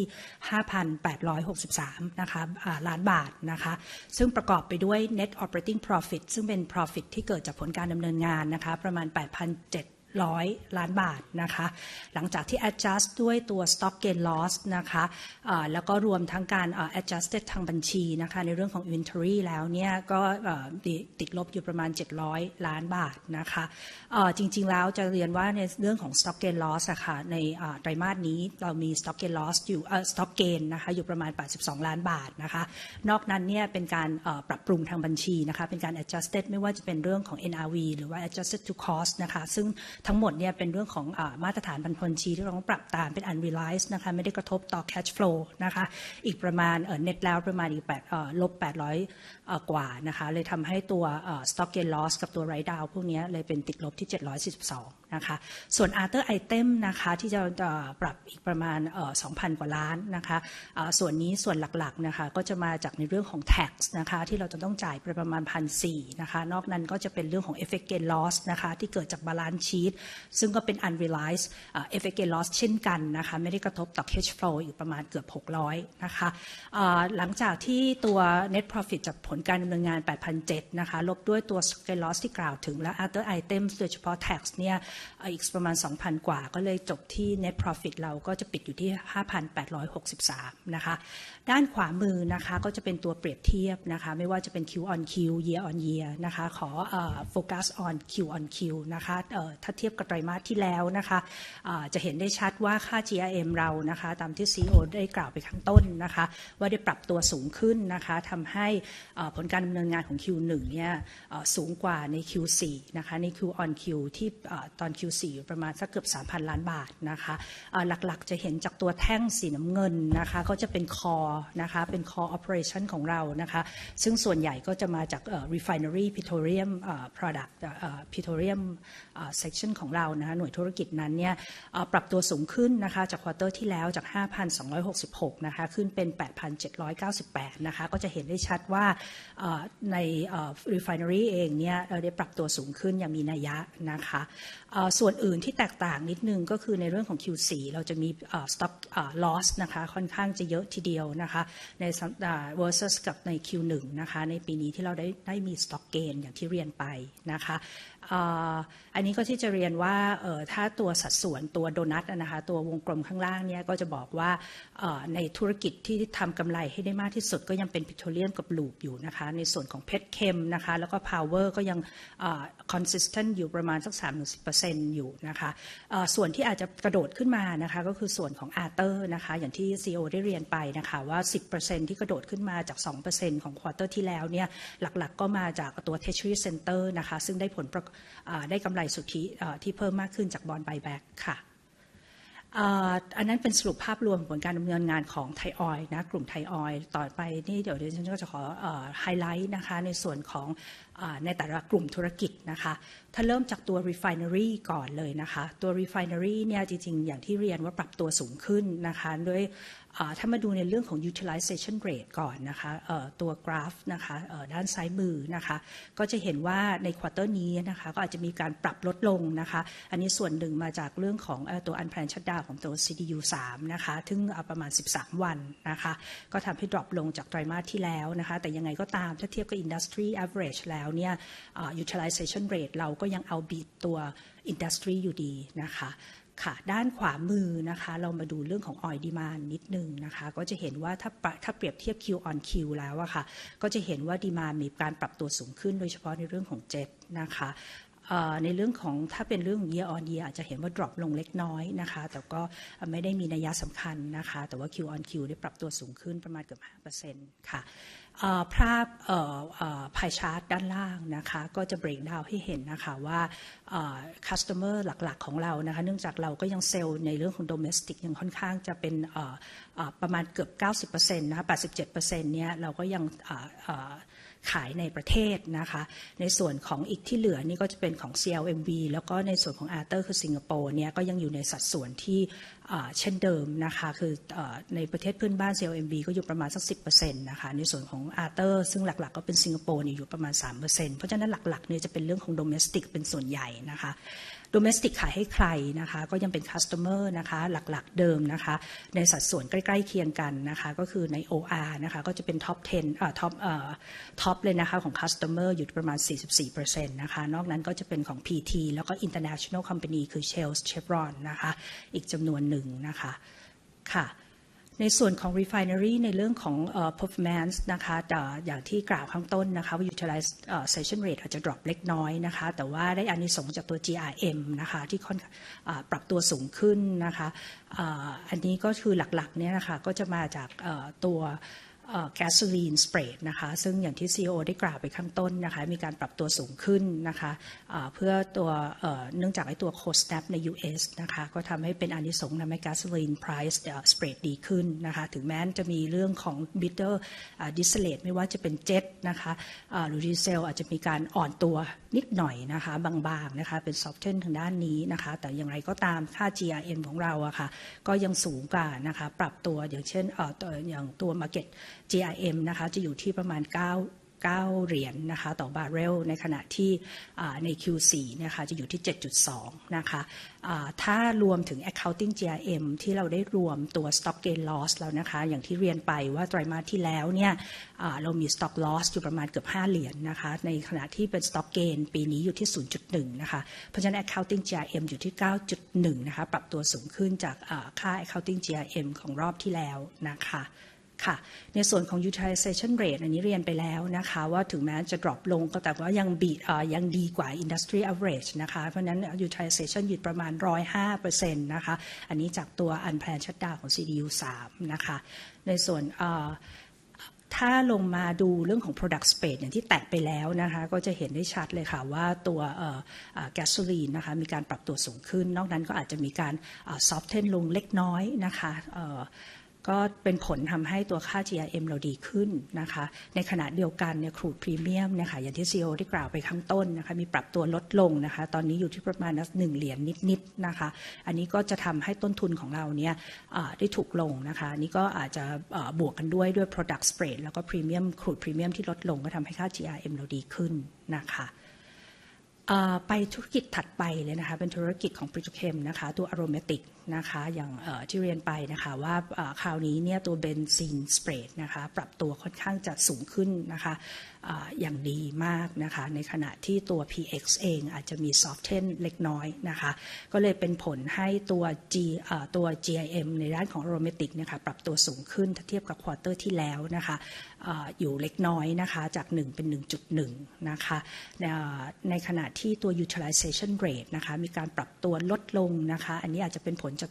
ห้าพันแปดร้อยหกสิบสามนะคะล้านบาทนะคะซึ่งประกอบไปด้วย Net Operating Profit ซึ่งเป็น Profit ที่เกิดจากผลการดำเนินงานนะคะประมาณแปดพันเจ็ดร้อยล้านบาทนะคะหลังจากที่ Adjust ด้วยตัว Stock Gain Loss นะคะเอ่อแล้วก็รวมทั้งการ Adjusted ทางบัญชีนะคะในเรื่องของ Inventory แล้วนี่ยก็เอ่อติดลบอยู่ประมาณเจ็ดร้อยล้านบาทนะคะเอ่อจริงๆแล้วจะเรียนว่าในเรื่องของ Stock Gain Loss อ่ะค่ะในไตรมาสนี้เรามี Stock Gain Loss อยู่เอ่อ Stock Gain นะคะอยู่ประมาณแปดสิบสองล้านบาทนะคะนอกนั้นนี่ยเป็นการปรับปรุงทางบัญชีนะคะเป็นการ Adjusted ไม่ว่าจะเป็นเรื่องของ NRV หรือว่า Adjusted to Cost นะคะซึ่งทั้งหมดนี่ยเป็นเรื่องของมาตรฐานบัญชีที่เราต้องปรับตามเป็น Unrealized นะคะไม่ได้กระทบต่อ Cash Flow นะคะอีกประมาณเอ่อ Net แล้วประมาณอีกแปดเอ่อลบแปดร้อยกว่านะคะเลยทำให้ตัว Stock Gain Loss กับตัว Write Down พวกนี้เลยเป็นติดลบที่เจ็ดร้อยสี่สิบสองนะคะส่วน Other Item นะคะที่จะปรับอีกประมาณสองพันกว่าล้านนะคะเอ่อส่วนนี้ส่วนหลักๆนะคะก็จะมาจากในเรื่องของ Tax นะคะที่เราจะต้องจ่ายไปประมาณพันสี่นะคะนอกนั้นก็จะเป็นเรื่องของ Effect Gain Loss นะคะที่เกิดจาก Balance Sheet ซึ่งก็เป็น Unrealized Effect Gain Loss เช่นกันนะคะไม่ได้กระทบต่อ Cash Flow อีกประมาณเกือบหกร้อยนะคะเอ่อหลังจากที่ตัว Net Profit จากผลการดำเนินงานแปดพันเจ็ดนะคะลบด้วยตัว Gain Loss ที่กล่าวถึงและ Other Item โดยเฉพาะ Tax นี่ยอีกประมาณสองพันกว่าก็เลยจบที่ Net Profit เราก็จะปิดอยู่ที่ห้าพันแปดร้อยหกสิบสามนะคะด้านขวามือนะคะก็จะเป็นตัวเปรียบเทียบนะคะไม่ว่าจะเป็น Q on Q, Year on Year นะคะขอโฟกัส on Q on Q นะคะเอ่อถ้าเทียบกับไตรมาสที่แล้วนะคะเอ่อจะเห็นได้ชัดว่าค่า GRM เรานะคะตามที่ CEO ได้กล่าวไปข้างต้นนะคะว่าได้ปรับตัวสูงขึ้นนะคะทำให้เอ่อผลการดำเนินงานของ Q1 นี่ยเอ่อสูงกว่าใน Q4 นะคะใน Q on Q ที่เอ่อตอน Q4 อยู่ประมาณสักเกือบสามพันล้านบาทนะคะเอ่อหลักๆจะเห็นจากตัวแท่งสีน้ำเงินนะคะก็จะเป็น Core นะคะเป็น Core Operation ของเรานะคะซึ่งส่วนใหญ่ก็จะมาจากเอ่อ Refinery Petroleum เอ่อ Product Petroleum เอ่อ Section ของเรานะหน่วยธุรกิจนั้นนี่ยเอ่อปรับตัวสูงขึ้นนะคะจาก Quarter ที่แล้วจากห้าพันสองร้อยหกสิบหกนะคะขึ้นเป็นแปดพันเจ็ดร้อยเก้าสิบแปดนะคะก็จะเห็นได้ชัดว่าเอ่อในเอ่อ Refinery เองนี่ยเราได้ปรับตัวสูงขึ้นอย่างมีนัยยะนะคะเอ่อส่วนอื่นที่แตกต่างนิดนึงก็คือในเรื่องของ Q4 เราจะมีเอ่อ Stock Loss นะคะค่อนข้างจะเยอะทีเดียวนะคะในสั ป... versus กับใน Q1 นะคะในปีนี้ที่เราได้ได้มี Stock Gain อย่างที่เรียนไปนะคะเอออันนี้ก็ที่จะเรียนว่าเออถ้าตัวสัดส่วนตัวโดนัทอะนะคะตัววงกลมข้างล่างเนี่ยก็จะบอกว่าเออในธุรกิจที่ทำกำไรให้ได้มากที่สุดก็ยังเป็น Petroleum กับ Loop อยู่นะคะในส่วนของเพชรเคมนะคะแล้วก็ Power ก็ยังเออ Consistent อยู่ประมาณสักสามถึงสิบเปอร์เซ็นต์อยู่นะคะเออส่วนที่อาจจะกระโดดขึ้นมานะคะก็คือส่วนของ Other นะคะอย่างที่ CEO ได้เรียนไปนะคะว่าสิบเปอร์เซ็นต์ที่กระโดดขึ้นมาจากสองเปอร์เซ็นต์ของ Quarter ที่แล้วเนี่ยหลักๆก็มาจากตัว Treasury Center นะคะซึ่งได้ผลประเออได้กำไรสุทธิที่เพิ่มมากขึ้นจาก Bond Buyback ค่ะเอออันนั้นเป็นสรุปภาพรวมผลการดำเนินงานของไทยออยล์นะกลุ่มไทยออยล์ต่อไปนี้เดี๋ยวดิฉันก็จะขอเออไฮไลท์นะคะในส่วนของเออในแต่ละกลุ่มธุรกิจนะคะถ้าเริ่มจากตัว Refinery ก่อนเลยนะคะตัว Refinery เนี่ยจริงๆอย่างที่เรียนว่าปรับตัวสูงขึ้นนะคะด้วยถ้ามาดูในเรื่องของ Utilization Rate ก่อนนะคะเออตัวกราฟนะคะเออด้านซ้ายมือนะคะก็จะเห็นว่าใน Quarter นี้นะคะก็อาจจะมีการปรับลดลงนะคะอันนี้ส่วนหนึ่งมาจากเรื่องของเออตัว Unplanned Shutdown ของตัว CDU3 นะคะซึ่งประมาณสิบสามวันนะคะก็ทำให้ดรอปลงจากไตรมาสที่แล้วนะคะแต่ยังไงก็ตามถ้าเทียบกับ Industry Average แล้วเนี่ย Utilization Rate เราก็ยัง Outbeat ตัว Industry อยู่ดีนะคะค่ะด้านขวามือนะคะเรามาดูเรื่องของ Oil Demand นิดนึงนะคะก็จะเห็นว่าถ้าถ้าเปรียบเทียบ Q on Q แล้วอ่ะค่ะก็จะเห็นว่า Demand มีการปรับตัวสูงขึ้นโดยเฉพาะในเรื่องของ Jet นะคะเออในเรื่องของถ้าเป็นเรื่องของ Year on Year อาจจะเห็นว่าดรอปลงเล็กน้อยนะคะแต่ก็ไม่ได้มีนัยสำคัญนะคะแต่ว่า Q on Q เนี่ยปรับตัวสูงขึ้นประมาณเกือบ 5% ค่ะเออภาพเออเออ Pie Chart ด้านล่างนะคะก็จะเบรกดาวน์ให้เห็นนะคะว่าเออ Customer หลักๆของเรานะคะเนื่องจากเราก็ยังเซลล์ในเรื่องของ Domestic ยังค่อนข้างจะเป็นเออประมาณเกือบ 90% นะคะ 87% เนี่ยเราก็ยังเออขายในประเทศนะคะในส่วนของอีกที่เหลือนี่ก็จะเป็นของ CLMV แล้วก็ในส่วนของ Other คือสิงคโปร์เนี่ยก็ยังอยู่ในสัดส่วนที่เออเช่นเดิมนะคะคือเออในประเทศเพื่อนบ้าน CLMV ก็อยู่ประมาณสัก 10% นะคะในส่วนของ Other ซึ่งหลักๆก็เป็นสิงคโปร์เนี่ยอยู่ประมาณ 3% เพราะฉะนั้นหลักๆเนี่ยจะเป็นเรื่องของ Domestic เป็นส่วนใหญ่นะคะ Domestic ขายให้ใครนะคะก็ยังเป็น Customer นะคะหลักๆเดิมนะคะในสัดส่วนใกล้ๆเคียงกันนะคะก็คือใน OR นะคะก็จะเป็น Top Ten เออ Top เออ Top เลยนะคะของ Customer อยู่ที่ประมาณ 44% นะคะนอกนั้นก็จะเป็นของ PT แล้วก็ International Company คือ Shell, Chevron นะคะอีกจำนวนหนึ่งนะคะค่ะในส่วนของ Refinery ในเรื่องของเออ Performance นะคะแต่อย่างที่กล่าวข้างต้นนะคะว่า Utilize เออ Session Rate อาจจะดรอปเล็กน้อยนะคะแต่ว่าได้อานิสงส์จากตัว GRM นะคะที่ค่อนข้างเออปรับตัวสูงขึ้นนะคะเอออันนี้ก็คือหลักๆเนี่ยนะคะก็จะมาจากเออตัวเออ Gasoline Spread นะคะซึ่งอย่างที่ CEO ได้กล่าวไปข้างต้นนะคะมีการปรับตัวสูงขึ้นนะคะเออเพื่อตัวเออเนื่องจากไอตัว Cold Snap ใน US นะคะก็ทำให้เป็นอานิสงส์ทำให้ Gasoline Price Spread ดีขึ้นนะคะถึงแม้จะมีเรื่องของ Bitter Distillate ไม่ว่าจะเป็น Jet นะคะเออหรือ Diesel อาจจะมีการอ่อนตัวนิดหน่อยนะคะบางๆนะคะเป็น Soften ทางด้านนี้นะคะแต่อย่างไรก็ตามค่า GRM ของเราอ่ะค่ะก็ยังสูงกว่านะคะปรับตัวอย่างเช่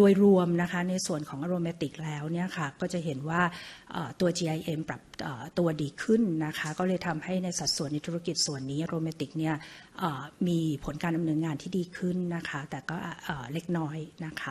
ด้วยด้วย Product Spread แล้วก็ Premium Crude Premium ที่ลดลงก็ทำให้ค่า GRM เราดีขึ้นนะคะเออไป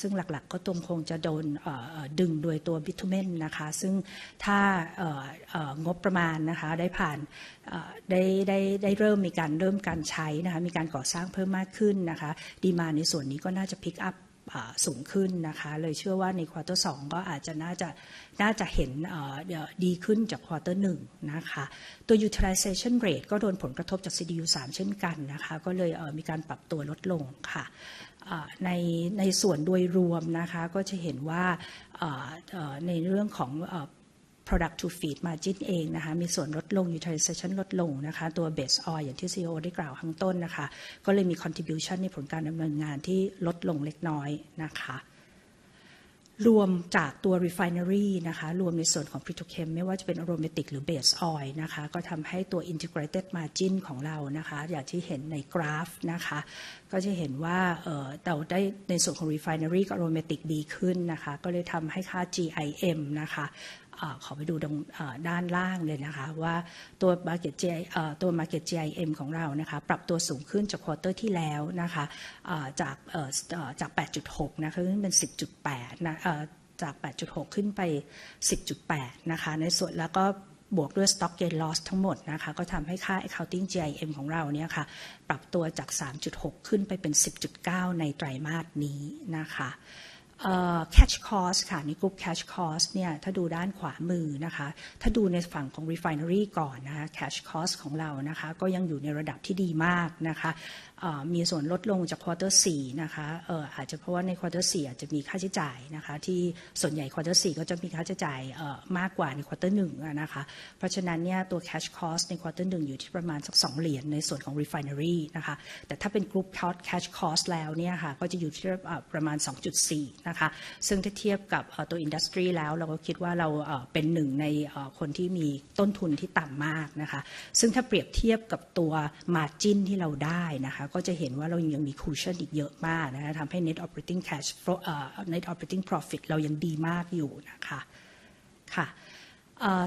ซึ่งหลักๆก็คงจะโดนเออดึงโดยตัว Bitumen นะคะซึ่งถ้าเออเออองบประมาณนะคะได้ผ่านเออได้ได้ได้เริ่มมีการเริ่มการใช้นะคะมีการก่อสร้างเพิ่มมากขึ้นนะคะ Demand ในส่วนนี้ก็น่าจะ Pick up เออสูงขึ้นนะคะเลยเชื่อว่าใน Quarter สองก็อาจจะน่าจะน่าจะเห็นเอ อ... ดีขึ้นจาก Quarter หนึ่งนะคะตัว Utilization Rate ก็โดนผลกระทบจาก CDU3 เช่นกันนะคะก็เลยมีการปรับตัวลดลงค่ะในส่วนโดยรวมนะคะก็จะเห็นว่าในเรื่องของ Product to Feed Margin เองนะคะมีส่วนลดลง Utilization ลดลงนะคะตัว Base Oil อย่างที่ CEO ได้กล่าวข้างต้นนะคะก็เลยมี Contribution ในผลการดำเนินงานที่ลดลงเล็กน้อยนะคะรวมจากตัว Refinery นะคะรวมในส่วนของ Petrochemical ไม่ว่าจะเป็น Aromatic หรือ Base Oil นะคะก็ทำให้ตัว Integrated Margin ของเรานะคะอย่างที่เห็นในกราฟนะคะก็จะเห็นว่าแต่ว่าได้ในส่วนของ Refinery กับ Aromatic ดีขึ้นนะคะก็เลยทำให้ค่า GIM นะคะขอไปดูตรงด้านล่างเลยนะคะว่าตัว Market GIM ของเรานะคะปรับตัวสูงขึ้นจาก Quarter ที่แล้วนะคะจาก 8.6 นะคะขึ้นเป็น 10.8 นะจาก 8.6 ขึ้นไป 10.8 นะคะในส่วนแล้วก็บวกด้วย Stock Gain Loss ทั้งหมดนะคะก็ทำให้ค่า Accounting GIM ของเราเนี่ยค่ะปรับตัวจาก 3.6 ขึ้นไปเป็น 10.9 ในไตรมาสนี้นะคะ Cash Cost ค่ะในกรุ๊ป Cash Cost เนี่ยถ้าดูด้านขวามือนะคะถ้าดูในฝั่งของ Refinery ก่อนนะคะ Cash Cost ของเรานะคะก็ยังอยู่ในระดับที่ดีมากนะคะมีส่วนลดลงจาก Quarter 4นะคะอาจจะเพราะว่าใน Quarter 4อาจจะมีค่าใช้จ่ายนะคะที่ส่วนใหญ่ Quarter 4ก็จะมีค่าใช้จ่ายมากกว่าใน Quarter 1นะคะเพราะฉะนั้นเนี่ยตัว Cash Cost ใน Quarter 1อยู่ที่ประมาณสัก $2 ในส่วนของ Refinery นะคะแต่ถ้าเป็นกรุ๊ป Cash Cost แล้วเนี่ยค่ะก็จะอยู่ที่ประมาณ $2.4 นะคะซึ่งถ้าเทียบกับ Auto Industry แล้วเราก็คิดว่าเราเป็นหนึ่งในคนที่มีต้นทุนที่ต่ำมากนะคะซึ่งถ้าเปรียบเทียบกับตัว Margin ที่เราได้นะคะก็จะเห็นว่าเรายังมี Cushion อีกเยอะมากนะคะทำให้ Net Operating Cash Flow Net Operating Profit เรายังดีมากอยู่นะคะ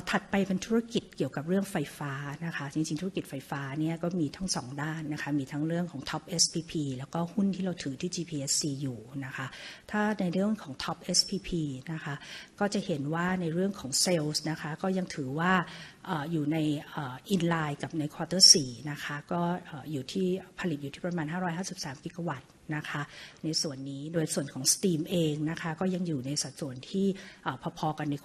ถัดไปเป็นธุรกิจเกี่ยวกับเรื่องไฟฟ้านะคะจริงๆธุรกิจไฟฟ้าเนี่ยก็มีทั้งสองด้านนะคะมีทั้งเรื่องของ TOP SPP แล้วก็หุ้นที่เราถือที่ GPSC อยู่นะคะถ้าในเรื่องของ TOP SPP นะคะก็จะเห็นว่าในเรื่องของ Sales นะคะก็ยังถือว่า In line กับใน Quarter 4นะคะก็อยู่ที่ผลิตอยู่ที่ประมาณ553กิกะวัตต์นะคะในส่วนนี้โดยส่วนของ Steam เองนะคะก็ยังอยู่ในสัดส่วนที่พอๆกันใน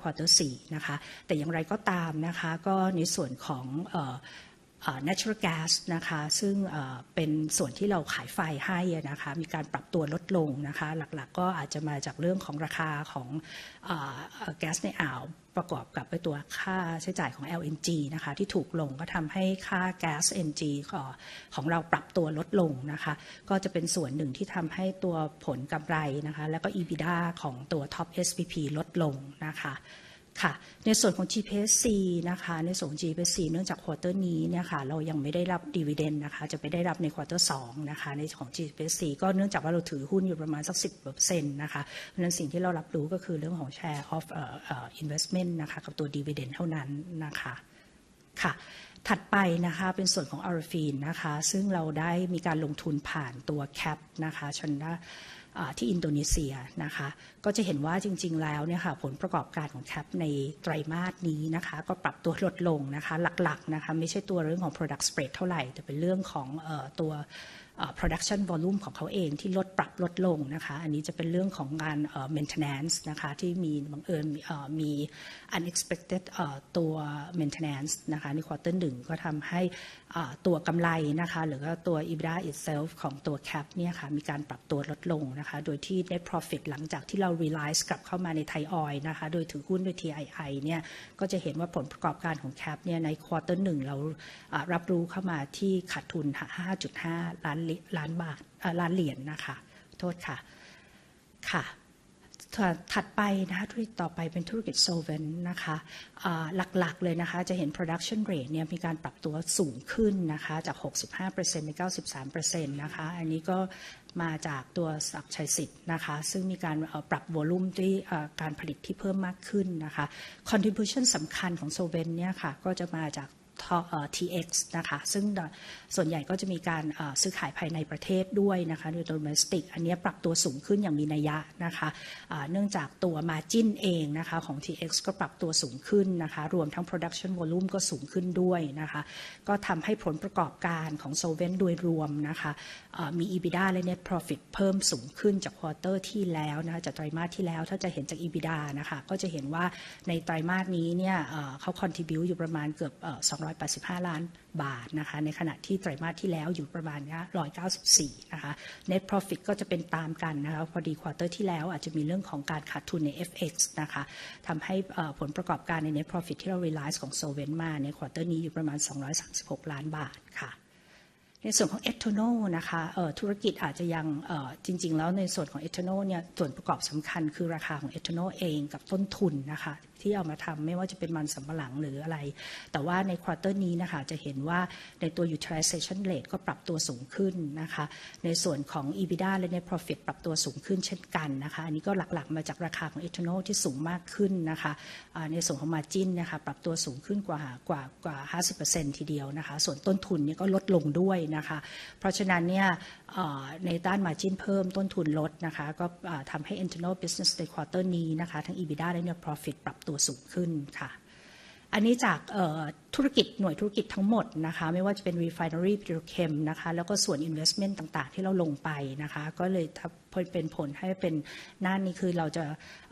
Quarter 4นะคะแต่อย่างไรก็ตามนะคะก็ในส่วนของ Natural Gas นะคะซึ่งเป็นส่วนที่เราขายไฟให้นะคะมีการปรับตัวลดลงนะคะหลักๆก็อาจจะมาจากเรื่องของราคาของแก๊สในอ่าวประกอบกับไอตัวค่าใช้จ่ายของ LNG นะคะที่ถูกลงก็ทำให้ค่าก๊าซ NG ของของเราปรับตัวลดลงนะคะก็จะเป็นส่วนหนึ่งที่ทำให้ตัวผลกำไรนะคะแล้วก็ EBITDA ของตัว TOP SPP ลดลงนะคะในส่วนของ GPSC นะคะในส่วนของ GPSC เนื่องจาก Quarter นี้เนี่ยค่ะเรายังไม่ได้รับ Dividend นะคะจะไปได้รับใน Quarter 2นะคะในส่วนของ GPSC ก็เนื่องจากว่าเราถือหุ้นอยู่ประมาณสัก 10% นะคะเพราะฉะนั้นสิ่งที่เรารับรู้ก็คือเรื่องของ Share of Investment นะคะกับตัว Dividend เท่านั้นนะคะถัดไปนะคะเป็นส่วนของ Olefins นะคะซึ่งเราได้มีการลงทุนผ่านตัว CAP นะคะ Chonburi ที่อินโดนีเซียนะคะก็จะเห็นว่าจริงๆแล้วเนี่ยค่ะผลประกอบการของ CAP ในไตรมาสนี้นะคะก็ปรับตัวลดลงนะคะหลักๆนะคะไม่ใช่ตัวเรื่องของ Product Spread เท่าไหร่แต่เป็นเรื่องของตัว Production Volume ของเขาเองที่ลดปรับลดลงนะคะอันนี้จะเป็นเรื่องของการ Maintenance นะคะที่มีบังเอิญมี Unexpected Maintenance นะคะใน Quarter 1ก็ทำให้ตัวกำไรนะคะหรือว่าตัว EBITDA itself ของตัว CAP เนี่ยค่ะมีการปรับตัวลดลงนะคะโดยที่ Net Profit หลังจากที่เรา Realize กลับเข้ามาใน Thai Oil นะคะโดยถือหุ้นโดย TII เนี่ยก็จะเห็นว่าผลประกอบการของ CAP เนี่ยใน Quarter 1เรารับรู้เข้ามาที่ขาดทุน $5.5 ล้านนะคะถัดไปนะคะธุรกิจต่อไปเป็นธุรกิจ Solvents นะคะหลักๆเลยนะคะจะเห็น Production Rate เนี่ยมีการปรับตัวสูงขึ้นนะคะจาก 65% เป็น 93% นะคะอันนี้ก็มาจากตัวศักดิ์ชัยสิทธิ์นะคะซึ่งมีการปรับ Volume ที่การผลิตที่เพิ่มมากขึ้นนะคะ Contribution สำคัญของ Solvents เนี่ยค่ะก็จะมาจาก TX นะคะซึ่งส่วนใหญ่ก็จะมีการซื้อขายภายในประเทศด้วยนะคะโดย Domestic อันนี้ปรับตัวสูงขึ้นอย่างมีนัยยะนะคะเนื่องจากตัว Margin เองนะคะของ TX ก็ปรับตัวสูงขึ้นนะคะรวมทั้ง Production Volume ก็สูงขึ้นด้วยนะคะก็ทำให้ผลประกอบการของ Solvents โดยรวมนะคะมี EBITDA และ Net Profit เพิ่มสูงขึ้นจาก Quarter ที่แล้วนะคะจากไตรมาสที่แล้วถ้าจะเห็นจาก EBITDA นะคะก็จะเห็นว่าในไตรมาสนี้เนี่ยเขา Contribute อยู่ประมาณเกือบ฿285ล้านนะคะในขณะที่ไตรมาสที่แล้วอยู่ประมาณ฿194นะคะ Net Profit ก็จะเป็นตามกันนะคะพอดี Quarter ที่แล้วอาจจะมีเรื่องของการขาดทุนใน FX นะคะทำให้ผลประกอบการใน Net Profit ที่เรา Realize ของ Solvents มาใน Quarter นี้อยู่ประมาณ฿236ล้านค่ะในส่วนของ Ethanol นะคะธุรกิจอาจจะยังจริงๆแล้วในส่วนของ Ethanol เนี่ยส่วนประกอบสำคัญคือราคาของ Ethanol เองกับต้นทุนนะคะที่เอามาทำไม่ว่าจะเป็นมันสำปะหลังหรืออะไรแต่ว่าใน Quarter นี้นะคะจะเห็นว่าในตัว Utilization Rate ก็ปรับตัวสูงขึ้นนะคะในส่วนของ EBITDA และ Net Profit ปรับตัวสูงขึ้นเช่นกันนะคะอันนี้ก็หลักๆมาจากราคาของ Ethanol ที่สูงมากขึ้นนะคะในส่วนของ Margin นะคะปรับตัวสูงขึ้นกว่า 50% ทีเดียวนะคะส่วนต้นทุนเนี่ยก็ลดลงด้วยนะคะเพราะฉะนั้นเนี่ยในด้าน Margin เพิ่มต้นทุนลดนะคะก็ทำให้ Ethanol Business ใน Quarter นี้นะคะทั้ง EBITDA และ Net Profit ปรับตัวสูงขึ้นอันนี้จากเอ่อธุรกิจหน่วยธุรกิจทั้งหมดนะคะไม่ว่าจะเป็น Refinery Petrochem นะคะแล้วก็ส่วน Investment ต่างๆที่เราลงไปนะคะก็เลยเป็นผลให้เป็นหน้านี้คือเราจะ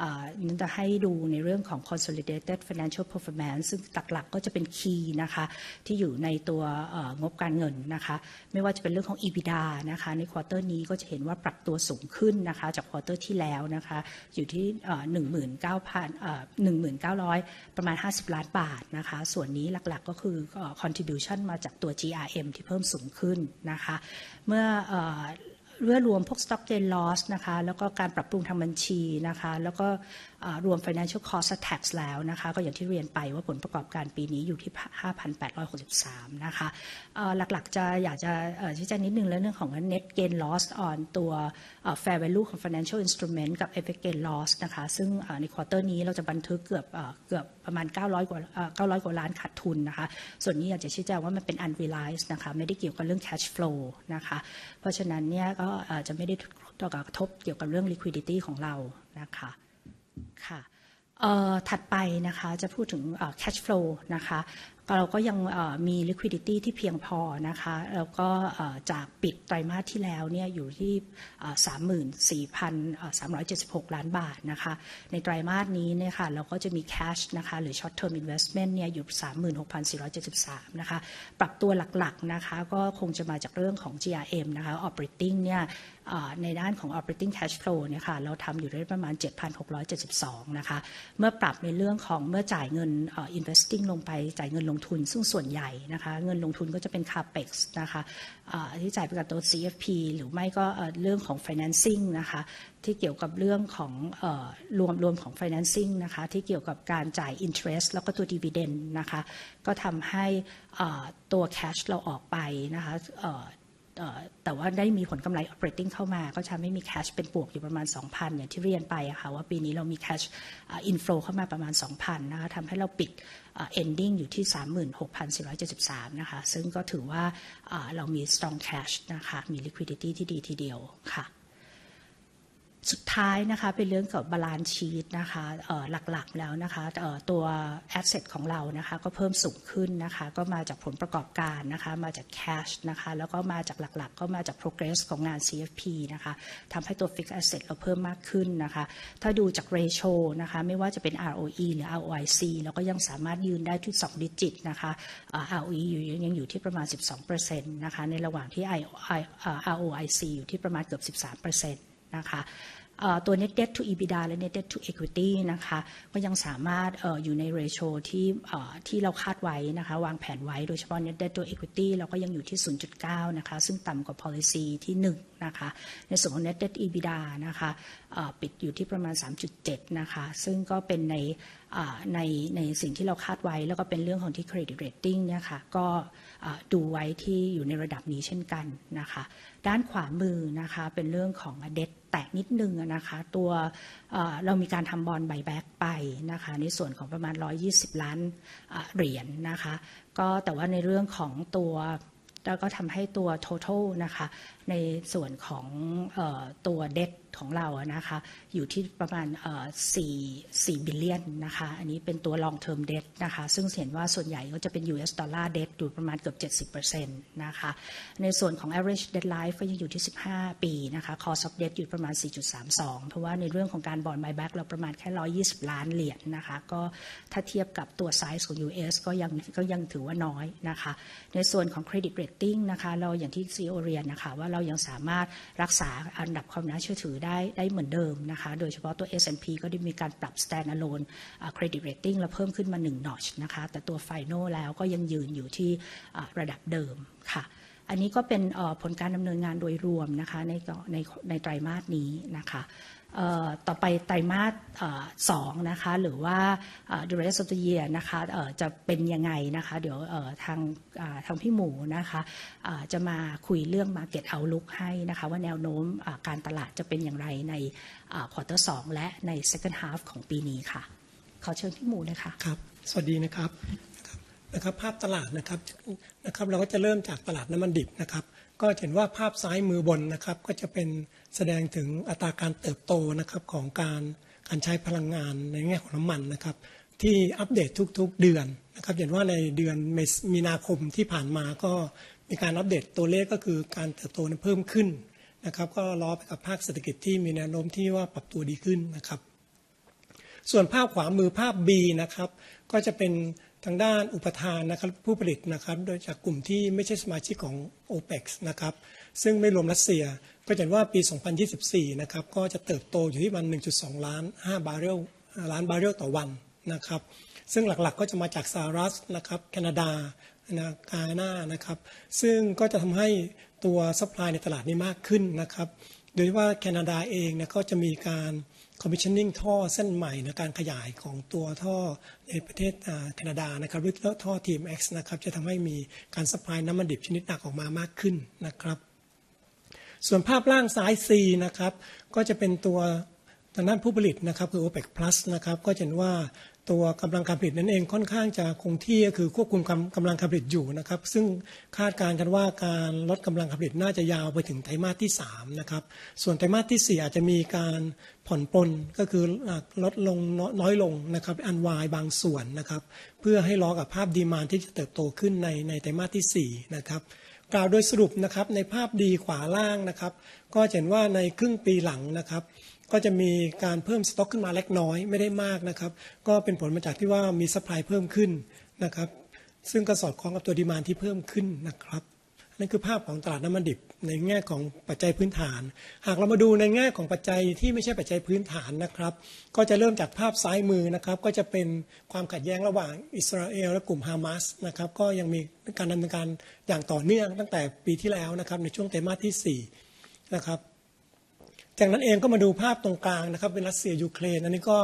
อ่าเน้นจะให้ดูในเรื่องของ Consolidated Financial Performance ซึ่งหลักๆก็จะเป็นคีย์นะคะที่อยู่ในตัวเอ่องบการเงินนะคะไม่ว่าจะเป็นเรื่องของ EBITDA นะคะใน Quarter นี้ก็จะเห็นว่าปรับตัวสูงขึ้นนะคะจาก Quarter ที่แล้วนะคะอยู่ที่เอ่อหนึ่งหมื่นเก้าพันเอ่อหนึ่งหมื่นเก้าร้อยประมาณห้าสิบล้านบาทนะคะส่วนนี้หลักๆก็คือ Contribution มาจากตัว GRM ที่เพิ่มสูงขึ้นนะคะเมื่อเอ่อเมื่อรวมพวก Stock Gain Loss นะคะแล้วก็การปรับปรุงทางบัญชีนะคะแล้วก็อ่ารวม Financial Cost and Tax แล้วนะคะก็อย่างที่เรียนไปว่าผลประกอบการปีนี้อยู่ที่ห้าพันแปดร้อยหกสิบสามนะคะเอ่อหลักๆจะอยากจะเอ่อชี้แจงนิดนึงเรื่องของ Net Gain Loss on ตัว Fair Value ของ Financial Instrument กับ Effect Gain Loss นะคะซึ่งใน Quarter นี้เราจะบันทึกเกือบเอ่อเกือบประมาณเก้าร้อยกว่าเอ่อเก้าร้อยกว่าล้านขาดทุนนะคะส่วนนี้อยากจะชี้แจงว่ามันเป็น Unrealized นะคะไม่ได้เกี่ยวกับเรื่อง Cash Flow นะคะเพราะฉะนั้นเนี่ยก็อาจจะไม่ได้กระทบเกี่ยวกับเรื่อง Liquidity ของเรานะคะถัดไปนะคะจะพูดถึง Cash Flow นะคะเราก็ยังเอ่อมี Liquidity ที่เพียงพอนะคะแล้วก็เอ่อจากปิดไตรมาสที่แล้วเนี่ยอยู่ที่เอ่อสามหมื่นสี่พันเอ่อสามร้อยเจ็ดสิบหกล้านบาทนะคะในไตรมาสนี้เนี่ยค่ะเราก็จะมี Cash นะคะหรือ Short Term Investment เนี่ยอยู่สามหมื่นหกพันสี่ร้อยเจ็ดสิบสามนะคะปรับตัวหลักๆนะคะก็คงจะมาจากเรื่องของ GRM นะคะ Operating เนี่ยเอ่อในด้านของ Operating Cash Flow เนี่ยค่ะเราทำอยู่ได้ประมาณเจ็ดพันหกร้อยเจ็ดสิบสองนะคะเมื่อปรับในเรื่องของเมื่อจ่ายเงิน Investing ลงไปจ่ายเงินลงทุนซึ่งส่วนใหญ่นะคะเงินลงทุนก็จะเป็น Capex นะคะเอ่ออันนี้จ่ายไปกับตัว CFP หรือไม่ก็เรื่องของ Financing นะคะที่เกี่ยวกับเรื่องของเอ่อรวมรวมของ Financing นะคะที่เกี่ยวกับการจ่าย Interest แล้วก็ตัว Dividend นะคะก็ทำให้เอ่อตัว Cash เราออกไปนะคะเอ่อเอ่อแต่ว่าได้มีผลกำไร Operating เข้ามาก็ทำให้มี Cash เป็นบวกอยู่ประมาณสองพันอย่างที่เรียนไปค่ะว่าปีนี้เรามี Cash Inflow เข้ามาประมาณสองพันนะคะทำให้เราปิด Ending อยู่ที่สามหมื่นหกพันสี่ร้อยเจ็ดสิบสามนะคะซึ่งก็ถือว่าเอ่อเรามี Strong Cash นะคะมี Liquidity ที่ดีทีเดียวค่ะสุดท้ายนะคะเป็นเรื่องเกี่ยวกับ Balance Sheet นะคะเอ่อหลักๆแล้วนะคะเอ่อตัว Asset ของเรานะคะก็เพิ่มสูงขึ้นนะคะก็มาจากผลประกอบการนะคะมาจาก Cash นะคะแล้วก็มาจากหลักๆก็มาจาก Progress ของงาน CFP นะคะทำให้ตัว Fixed Asset เราเพิ่มมากขึ้นนะคะถ้าดูจาก Ratio นะคะไม่ว่าจะเป็น ROE หรือ ROIC เราก็ยังสามารถยืนได้ที่สอง Digit นะคะ ROE ยังอยู่ที่ประมาณสิบสองเปอร์เซ็นต์นะคะในระหว่างที่ไอ ROIC อยู่ที่ประมาณเกือบสิบสามเปอร์เซ็นต์นะคะเอ่อตัว Net Debt to EBITDA และ Net Debt to Equity นะคะก็ยังสามารถเอ่ออยู่ใน Ratio ที่เอ่อที่เราคาดไว้นะคะวางแผนไว้โดยเฉพาะ Net Debt to Equity เราก็ยังอยู่ที่ศูนย์จุดเก้านะคะซึ่งต่ำกว่า Policy ที่หนึ่งนะคะในส่วนของ Net Debt EBITDA นะคะเอ่อปิดอยู่ที่ประมาณสามจุดเจ็ดนะคะซึ่งก็เป็นในเอ่อในในสิ่งที่เราคาดไว้แล้วก็เป็นเรื่องของที่ Credit Rating เนี่ยค่ะก็ดูไว้ที่อยู่ในระดับนี้เช่นกันนะคะด้านขวามือนะคะเป็นเรื่องของ Debt แตกนิดนึงอ่ะนะคะตัวเอ่อเรามีการทำ Bond Buyback ไปนะคะในส่วนของประมาณร้อยยี่สิบล้านเหรียญนะคะก็แต่ว่าในเรื่องของตัวก็ทำให้ตัว Total นะคะในส่วนของเอ่อตัว Debt ของเราอ่ะนะคะอยู่ที่ประมาณเอ่อสี่สี่ Billion นะคะอันนี้เป็นตัว Long Term Debt นะคะซึ่งจะเห็นว่าส่วนใหญ่ก็จะเป็น US Dollar Debt อยู่ประมาณเกือบเจ็ดสิบเปอร์เซ็นต์นะคะในส่วนของ Average Debt Life ก็ยังอยู่ที่สิบห้าปีนะคะ Cost of Debt อยู่ประมาณสี่จุดสามสองเพราะว่าในเรื่องของการ Bond Buyback เราประมาณแค่ร้อยยี่สิบล้านเหรียญนะคะก็ถ้าเทียบกับตัว Size ของ US ก็ยังก็ยังถือว่าน้อยนะคะในส่วนของ Credit Rating นะคะเราอย่างที่ CEO เรียนน่ะค่ะว่าเรายังสามารถรักษาอันดับความน่าเชื่อถือได้ได้เหมือนเดิมนะคะโดยเฉพาะตัว S&P ก็ได้มีการปรับ Stand Alone Credit Rating เราเพิ่มขึ้นมาหนึ่ง Notch นะคะแต่ตัว Final แล้วก็ยังยืนอยู่ที่ระดับเดิมค่ะอันนี้ก็เป็นเอ่อผลการดำเนินงานโดยรวมนะคะในในในไตรมาสนี้นะคะเอ่อต่อไปไตรมาสเอ่อสองนะคะหรือว่า The rest of the year นะคะเอ่อจะเป็นยังไงนะคะเดี๋ยวเอ่อทางเอ่อทางพี่หมูนะคะเอ่อจะมาคุยเรื่อง Market Outlook ให้นะคะว่าแนวโน้มการตลาดจะเป็นอย่างไรในเอ่อ Quarter สองและใน Second Half ของปีนี้ค่ะขอเชิญพี่หมูเลยค่ะครับสวัสดีนะครับภาพตลาดนะครับเราก็จะเริ่มจากตลาดน้ำมันดิบนะครับก็จะเห็นว่าภาพซ้ายมือบนนะครับก็จะเป็นแสดงถึงอัตราการเติบโตนะครับของการใช้พลังงานในแง่ของน้ำมันนะครับที่อัปเดตทุกๆเดือนนะครับจะเห็นว่าในเดือนมีนาคมที่ผ่านมาก็มีการอัปเดตตัวเลขก็คือการเติบโตนั้นเพิ่มขึ้นนะครับก็ล้อไปกับภาคเศรษฐกิจที่มีแนวโน้มที่ว่าปรับตัวดีขึ้นนะครับส่วนภาพขวามือภาพบีนะครับก็จะเป็นทางด้านอุปทานนะครับผู้ผลิตนะครับโดยจากกลุ่มที่ไม่ใช่สมาชิกของโอเปกนะครับซึ่งไม่รวมรัสเซียก็จะเห็นว่าปี2024นะครับก็จะเติบโตอยู่ที่ประมาณหนึ่งจุดสองล้านห้าบาเรลล้านบาเรลต่อวันนะครับซึ่งหลักๆก็จะมาจากสหรัฐนะครับแคนาดากานานะครับซึ่งก็จะทำให้ตัว Supply ในตลาดนี้มากขึ้นนะครับโดยที่ว่าแคนาดาเองนะก็จะมีการ commissioning ท่อเส้นใหม่นะการขยายของตัวท่อในประเทศแคนาดานะครับหรือท่อ TMX นะครับจะทำให้มีการ Supply น้ำมันดิบชนิดหนักออกมามากขึ้นนะครับส่วนภาพล่างซ้าย C นะครับก็จะเป็นตัวทางด้านผู้ผลิตนะครับคือ OPEC Plus นะครับก็จะเห็นว่าตัวกำลังการผลิตนั้นเองค่อนข้างจะคงที่ก็คือควบคุมความกำลังการผลิตอยู่นะครับซึ่งคาดการณ์กันว่าการลดกำลังการผลิตน่าจะยาวไปถึงไตรมาสที่สามนะครับส่วนไตรมาสที่สี่อาจจะมีการผ่อนปรนก็คือลดลงน้อยลงนะครับ Unwind บางส่วนนะครับเพื่อให้ล้อกับภาพ Demand ที่จะเติบโตขึ้นในไตรมาสที่สี่นะครับกล่าวโดยสรุปนะครับในภาพดีขวาล่างนะครับก็จะเห็นว่าในครึ่งปีหลังนะครับก็จะมีการเพิ่ม Stock ขึ้นมาเล็กน้อยไม่ได้มากนะครับก็เป็นผลมาจากที่ว่ามี Supply เพิ่มขึ้นนะครับซึ่งก็สอดคล้องกับตัว Demand ที่เพิ่มข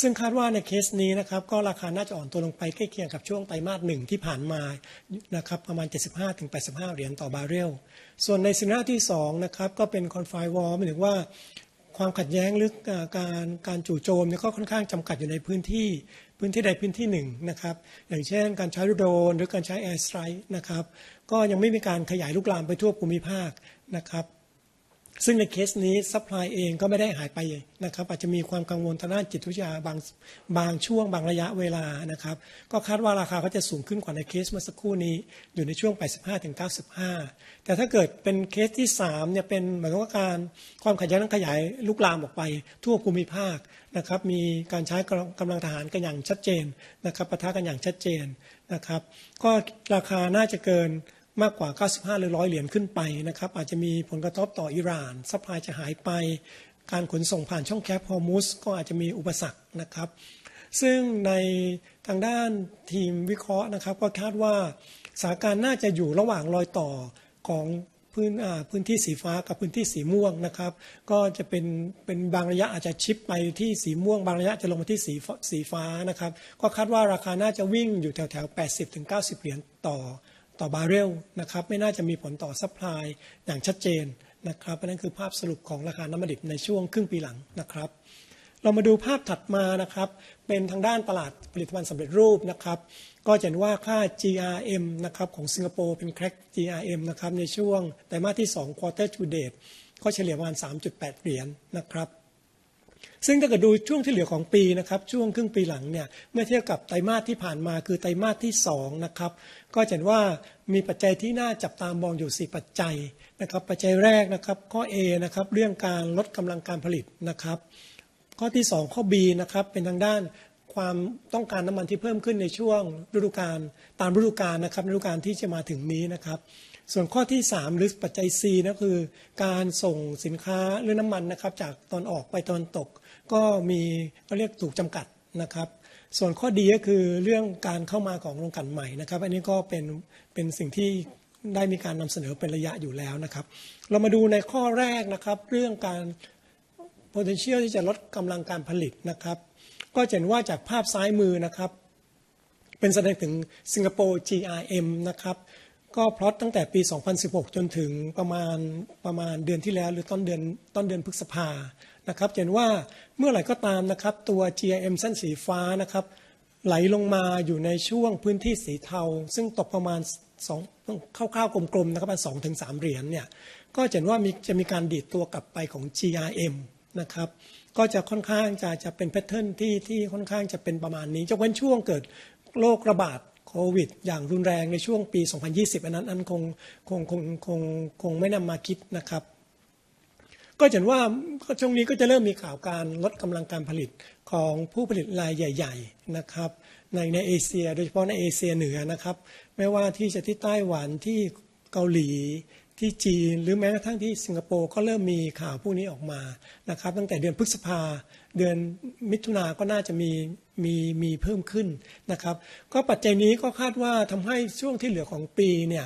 ซึ่งคาดว่าใน Case นี้นะครับก็ราคาน่าจะอ่อนตัวลงไปใกล้เคียงกับช่วงไตรมาสหนึ่งที่ผ่านมานะครับประมาณเจ็ดสิบห้าถึงแปดสิบห้าเหรียญต่อบาร์เรลส่วนใน Scenario ที่สองนะครับก็เป็น Confine War หมายถึงว่าความขัดแย้งหรือการจู่โจมเนี่ยก็ค่อนข้างจำกัดอยู่ในพื้นที่พื้นที่ใดพื้นที่หนึ่งนะครับอย่างเช่นการใช้โดรนหรือการใช้ Air Strike นะครับก็ยังไม่มีการขยายลุกลามไปทั่วภูมิภาคนะครับซึ่งใน Case นี้ Supply เองก็ไม่ได้หายไปนะครับอาจจะมีความกังวลทางด้านจิตวิทยาบางบางช่วงบางระยะเวลานะครับก็คาดว่าราคาก็จะสูงขึ้นกว่าใน Case เมื่อสักครู่นี้อยู่ในช่วงแปดสิบห้าถึงเก้าสิบห้าแต่ถ้าเกิดเป็น Case ที่สามเนี่ยเป็นเหมือนกับว่าการความขัดแย้งนั้นขยายลุกลามออกไปทั่วภูมิภาคนะครับมีการใช้กำลังทหารกันอย่างชัดเจนนะครับปะทะกันอย่างชัดเจนนะครับก็ราคาน่าจะเกินมากกว่าเก้าสิบห้าหรือร้อยเหรียญขึ้นไปนะครับอาจจะมีผลกระทบต่ออิหร่าน Supply จะหายไปการขนส่งผ่านช่องแคบฮอร์มุซก็อาจจะมีอุปสรรคนะครับซึ่งในทางด้านทีมวิเคราะห์นะครับก็คาดว่าสถานการณ์น่าจะอยู่ระหว่างรอยต่อของพื้นที่สีฟ้ากับพื้นที่สีม่วงนะครับก็จะเป็นบางระยะอาจจะ Shift ไปที่สีม่วงบางระยะจะลงมาที่สีฟ้านะครับก็คาดว่าราคาน่าจะวิ่งอยู่แถวๆแปดสิบถึงเก้าสิบเหรียญต่อบาร์เรลนะครับไม่น่าจะมีผลต่อ Supply อย่างชัดเจนนะครับอันนั้นคือภาพสรุปของราคาน้ำมันดิบในช่วงครึ่งปีหลังนะครับเรามาดูภาพถัดมานะครับเป็นทางด้านตลาดผลิตภัณฑ์สำเร็จรูปนะครับก็จะเห็นว่าค่า GRM นะครับของสิงคโปร์เป็น Crack GRM นะครับในช่วงไตรมาสที่สอง Quarter to Date ก็เฉลี่ยประมาณสามจุดแปดเหรียญนะครับซึ่งถ้าเกิดดูช่วงที่เหลือของปีนะครับช่วงครึ่งปีหลังเนี่ยเมื่อเทียบกับไตรมาสที่ผ่านมาคือไตรมาสที่สองนะครับก็จะเห็นว่ามีปัจจัยที่น่าจับตามองอยู่สี่ปัจจัยนะครับปัจจัยแรกนะครับข้อ A นะครับเรื่องการลดกำลังการผลิตนะครับข้อที่สองข้อ B นะครับเป็นทางด้านความต้องการน้ำมันที่เพิ่มขึ้นในช่วงฤดูกาลตามฤดูกาลนะครับฤดูกาลที่จะมาถึงนี้นะครับส่วนข้อที่สามหรือปัจจัย C ก็คือการส่งสินค้าหรือน้ำมันนะครับจากตะวันออกไปตะวันตกก็มีเขาเรียกถูกจำกัดนะครับส่วนข้อ D ก็คือเรื่องการเข้ามาของโรงกลั่นใหม่นะครับอันนี้ก็เป็นสิ่งที่ได้มีการนำเสนอเป็นระยะอยู่แล้วนะครับเรามาดูในข้อแรกนะครับเรื่อง Potential ที่จะลดกำลังการผลิตนะครับก็จะเห็นว่าจากภาพซ้ายมือนะครับเป็นแสดงถึงสิงคโปร์ GRM นะครับก็พล็อตตั้งแต่ปีสองพันสิบหกจนถึงประมาณเดือนที่แล้วหรือต้นเดือนพฤษภานะครับจะเห็นว่าเมื่อไหร่ก็ตามนะครับตัว GRM เส้นสีฟ้านะครับไหลลงมาอยู่ในช่วงพื้นที่สีเทาซึ่งตกประมาณสองครั่วๆกลมๆนะครับประมาณสองถึงสามเหรียญเนี่ยก็จะเห็นว่ามีจะมีการดีดตัวกลับไปของ GRM นะครับก็จะค่อนข้างจะเป็น Pattern ที่ค่อนข้างจะเป็นประมาณนี้ยกเว้นช่วงเกิดโรคระบาดโควิดอย่างรุนแรงในช่วงปีสองพันยี่สิบอันนั้นคงไม่นำมาคิดนะครับก็จะเห็นว่าช่วงนี้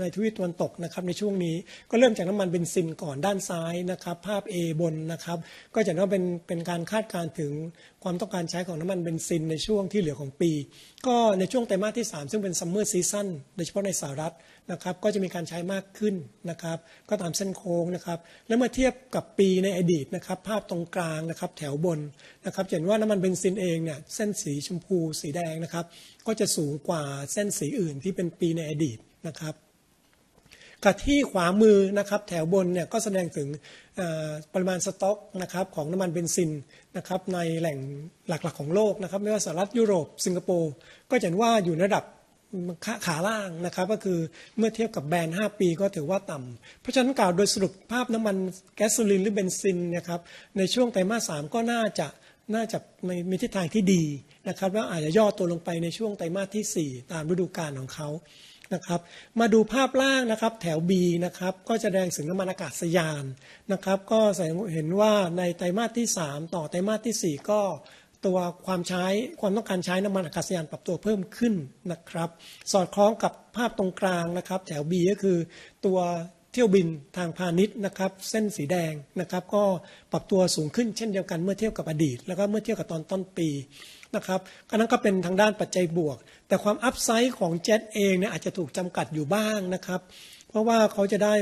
ในทวีปตะวันตกนะครับในช่วงนี้ก็เริ่มจากน้ำมันเบนซินก่อนด้านซ้ายนะครับภาพ A บนนะครับก็จะเห็นว่าเป็นการคาดการณ์ถึงความต้องการใช้ของน้ำมันเบนซินในช่วงที่เหลือของปีก็ในช่วงไตรมาสที่สามซึ่งเป็น Summer Season โดยเฉพาะในสหรัฐนะครับก็จะมีการใช้มากขึ้นนะครับก็ตามเส้นโค้งนะครับแล้วเมื่อเทียบกับปีในอดีตนะครับภาพตรงกลางนะครับแถวบนนะครับจะเห็นว่าน้ำมันเบนซินเองเนี่ยเส้นสีชมพูสีแดงนะครับก็จะสูงกว่าเส้นสีอื่นที่เป็นปีในอดีตนะครับกับที่ขวามือนะครับแถวบนเนี่ยก็แสดงถึงปริมาณสต็อกนะครับของน้ำมันเบนซินนะครับในแหล่งหลักๆของโลกนะครับไม่ว่าสหรัฐฯยุโรปสิงคโปร์ก็จะเห็นว่าอยู่ในระดับขาล่างนะครับก็คือเมื่อเทียบกับแบนด์ห้าปีก็ถือว่าต่ำเพราะฉะนั้นกล่าวโดยสรุปภาพน้ำมันแก๊สโซลีนหรือเบนซินนะครับในช่วงไตรมาสสามก็น่าจะมีทิศทางที่ดีนะครับแล้วอาจจะย่อตัวลงไปในช่วงไตรมาสที่สี่ตามฤดูกาลของเขานะครับมาดูภาพล่างนะครับแถว B นะครับก็แสดงถึงน้ำมันอากาศยานนะครับก็แสดงให้เห็นว่าในไตรมาสที่สามต่อไตรมาสที่สี่ก็ตัวความใช้ความต้องการใช้น้ำมันอากาศยานปรับตัวเพิ่มขึ้นนะครับสอดคล้องกับภาพตรงกลางนะครับแถว B ก็คือตัวเที่ยวบินทางพาณิชย์นะครับเส้นสีแดงนะครับก็ปรับตัวสูงขึ้นเช่นเดียวกันเมื่อเทียบกับอดีตแล้วก็เมื่อเทียบกับตอนต้นปีนะครับอันนั้นก็เป็นทางด้านปัจจัยบวกแต่ความอัพไซด์ของเจ็ทเองเนี่ยอาจจะถูกจำกัดอยู่บ้างนะครับเพราะว่าเขาจะได้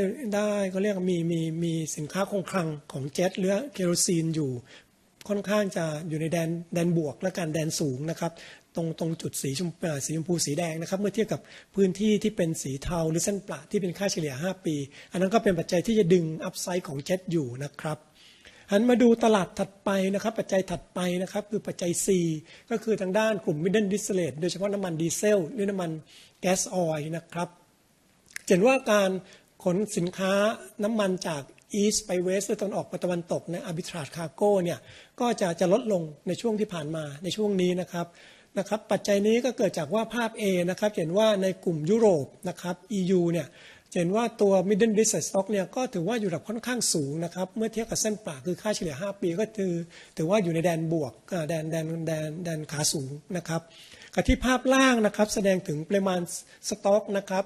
มีสินค้าคงคลังของเจ็ทหรือเคโรซีนอยู่ค่อนข้างจะอยู่ในแดนบวกแล้วกันแดนสูงนะครับตรงจุดสีชมพูสีแดงนะครับเมื่อเทียบกับพื้นที่ที่เป็นสีเทาหรือเส้นประที่เป็นค่าเฉลี่ยห้าปีอันนั้นก็เป็นปัจจัยที่จะดึงอัพไซด์ของเจ็ทอยู่นะครับหันมาดูตลาดถัดไปนะครับปัจจัยถัดไปนะครับคือปัจจัย C ก็คือทางด้านกลุ่ม Middle Distillate โดยเฉพาะน้ำมันดีเซลหรือน้ำมันแก๊สออยนะครับจะเห็นว่าการขนสินค้าน้ำมันจาก East ไป West หรือตะวันออกไปตะวันตกใน Arbitrage Cargo เนี่ยก็จะลดลงในช่วงที่ผ่านมาในช่วงนี้นะครับปัจจัยนี้ก็เกิดจากว่าภาพเอนะครับจะเห็นว่าในกลุ่มยุโรปนะครับ EU เนี่ยจะเห็นว่าตัว Middle Distillate Stock เนี่ยก็ถือว่าอยู่ระดับค่อนข้างสูงนะครับเมื่อเทียบกับเส้นประคือค่าเฉลี่ยห้าปีก็คือถือว่าอยู่ในแดนบวกแดนขาสูงนะครับกับที่ภาพล่างนะครับแสดงถึงปริมาณสต็อกนะครับ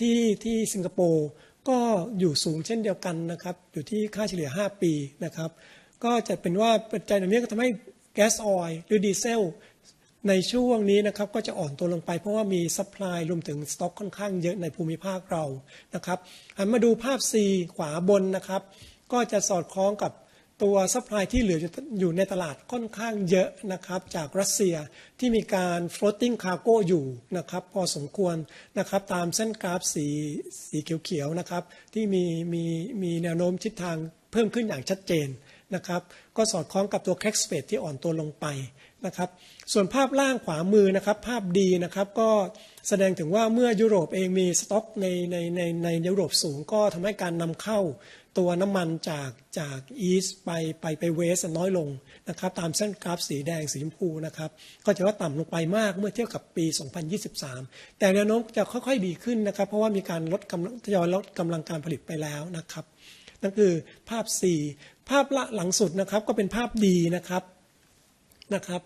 ที่สิงคโปร์ก็อยู่สูงเช่นเดียวกันนะครับอยู่ที่ค่าเฉลี่ยห้าปีนะครับก็จัดเป็นว่าปัจจัยเหล่านี้ก็ทำให้แก๊สออยหรือดีเซลในช่วงนี้นะครับก็จะอ่อนตัวลงไปเพราะว่ามีซัพพลายรวมถึงสต็อกค่อนข้างเยอะในภูมิภาคเรานะครับหันมาดูภาพ C ขวาบนนะครับก็จะสอดคล้องกับตัวซัพพลายที่เหลืออยู่ในตลาดค่อนข้างเยอะนะครับจากรัสเซียที่มีการ Floating Cargo อยู่นะครับพอสมควรนะครับตามเส้นกราฟสีเขียวๆนะครับที่มีแนวโน้มทิศทางเพิ่มขึ้นอย่างชัดเจนนะครับก็สอดคล้องกับตัว Crack Spread ที่อ่อนตัวลงไปนะครับส่วนภาพล่างขวามือนะครับภาพ D นะครับก็แสดงถึงว่าเมื่อยุโรปเองมีสต็อกในยุโรปสูงก็ทำให้การนำเข้าตัวน้ำมันจาก East ไป West น้อยลงนะครับตามเส้นกราฟสีแดงสีชมพูนะครับก็จะว่าต่ำลงไปมากเมื่อเทียบกับปี2023แต่แนวโน้มจะค่อยๆดีขึ้นนะครับเพราะว่ามีการลดกำลังการผลิตไปแล้วนะครับนั่นคือภาพ C ภาพล่างหลังสุดนะครับก็เป็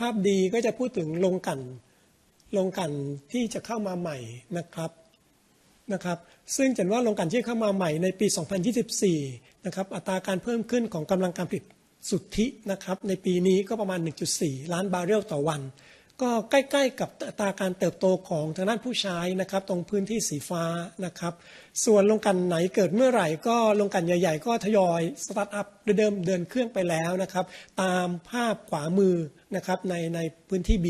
นภาพ D นะครับภาพ D ก็จะพูดถึงโรงกลั่นที่จะเข้ามาใหม่นะครับซึ่งจะเห็นว่าโรงกลั่นที่เข้ามาใหม่ในปี2024นะครับอัตราการเพิ่มขึ้นของกำลังการผลิตสุทธินะครับในปีนี้ก็ประมาณหนึ่งจุดสี่ล้านบาร์เรลต่อวันก็ใกล้ๆกับอัตราการเติบโตของทางด้านผู้ใช้นะครับตรงพื้นที่สีฟ้านะครับส่วนโรงกลั่นไหนเกิดเมื่อไหร่ก็โรงกลั่นใหญ่ๆก็ Start up หรือเดินเครื่องไปแล้วนะครับตามภาพขวามือนะครับในพื้นที่ B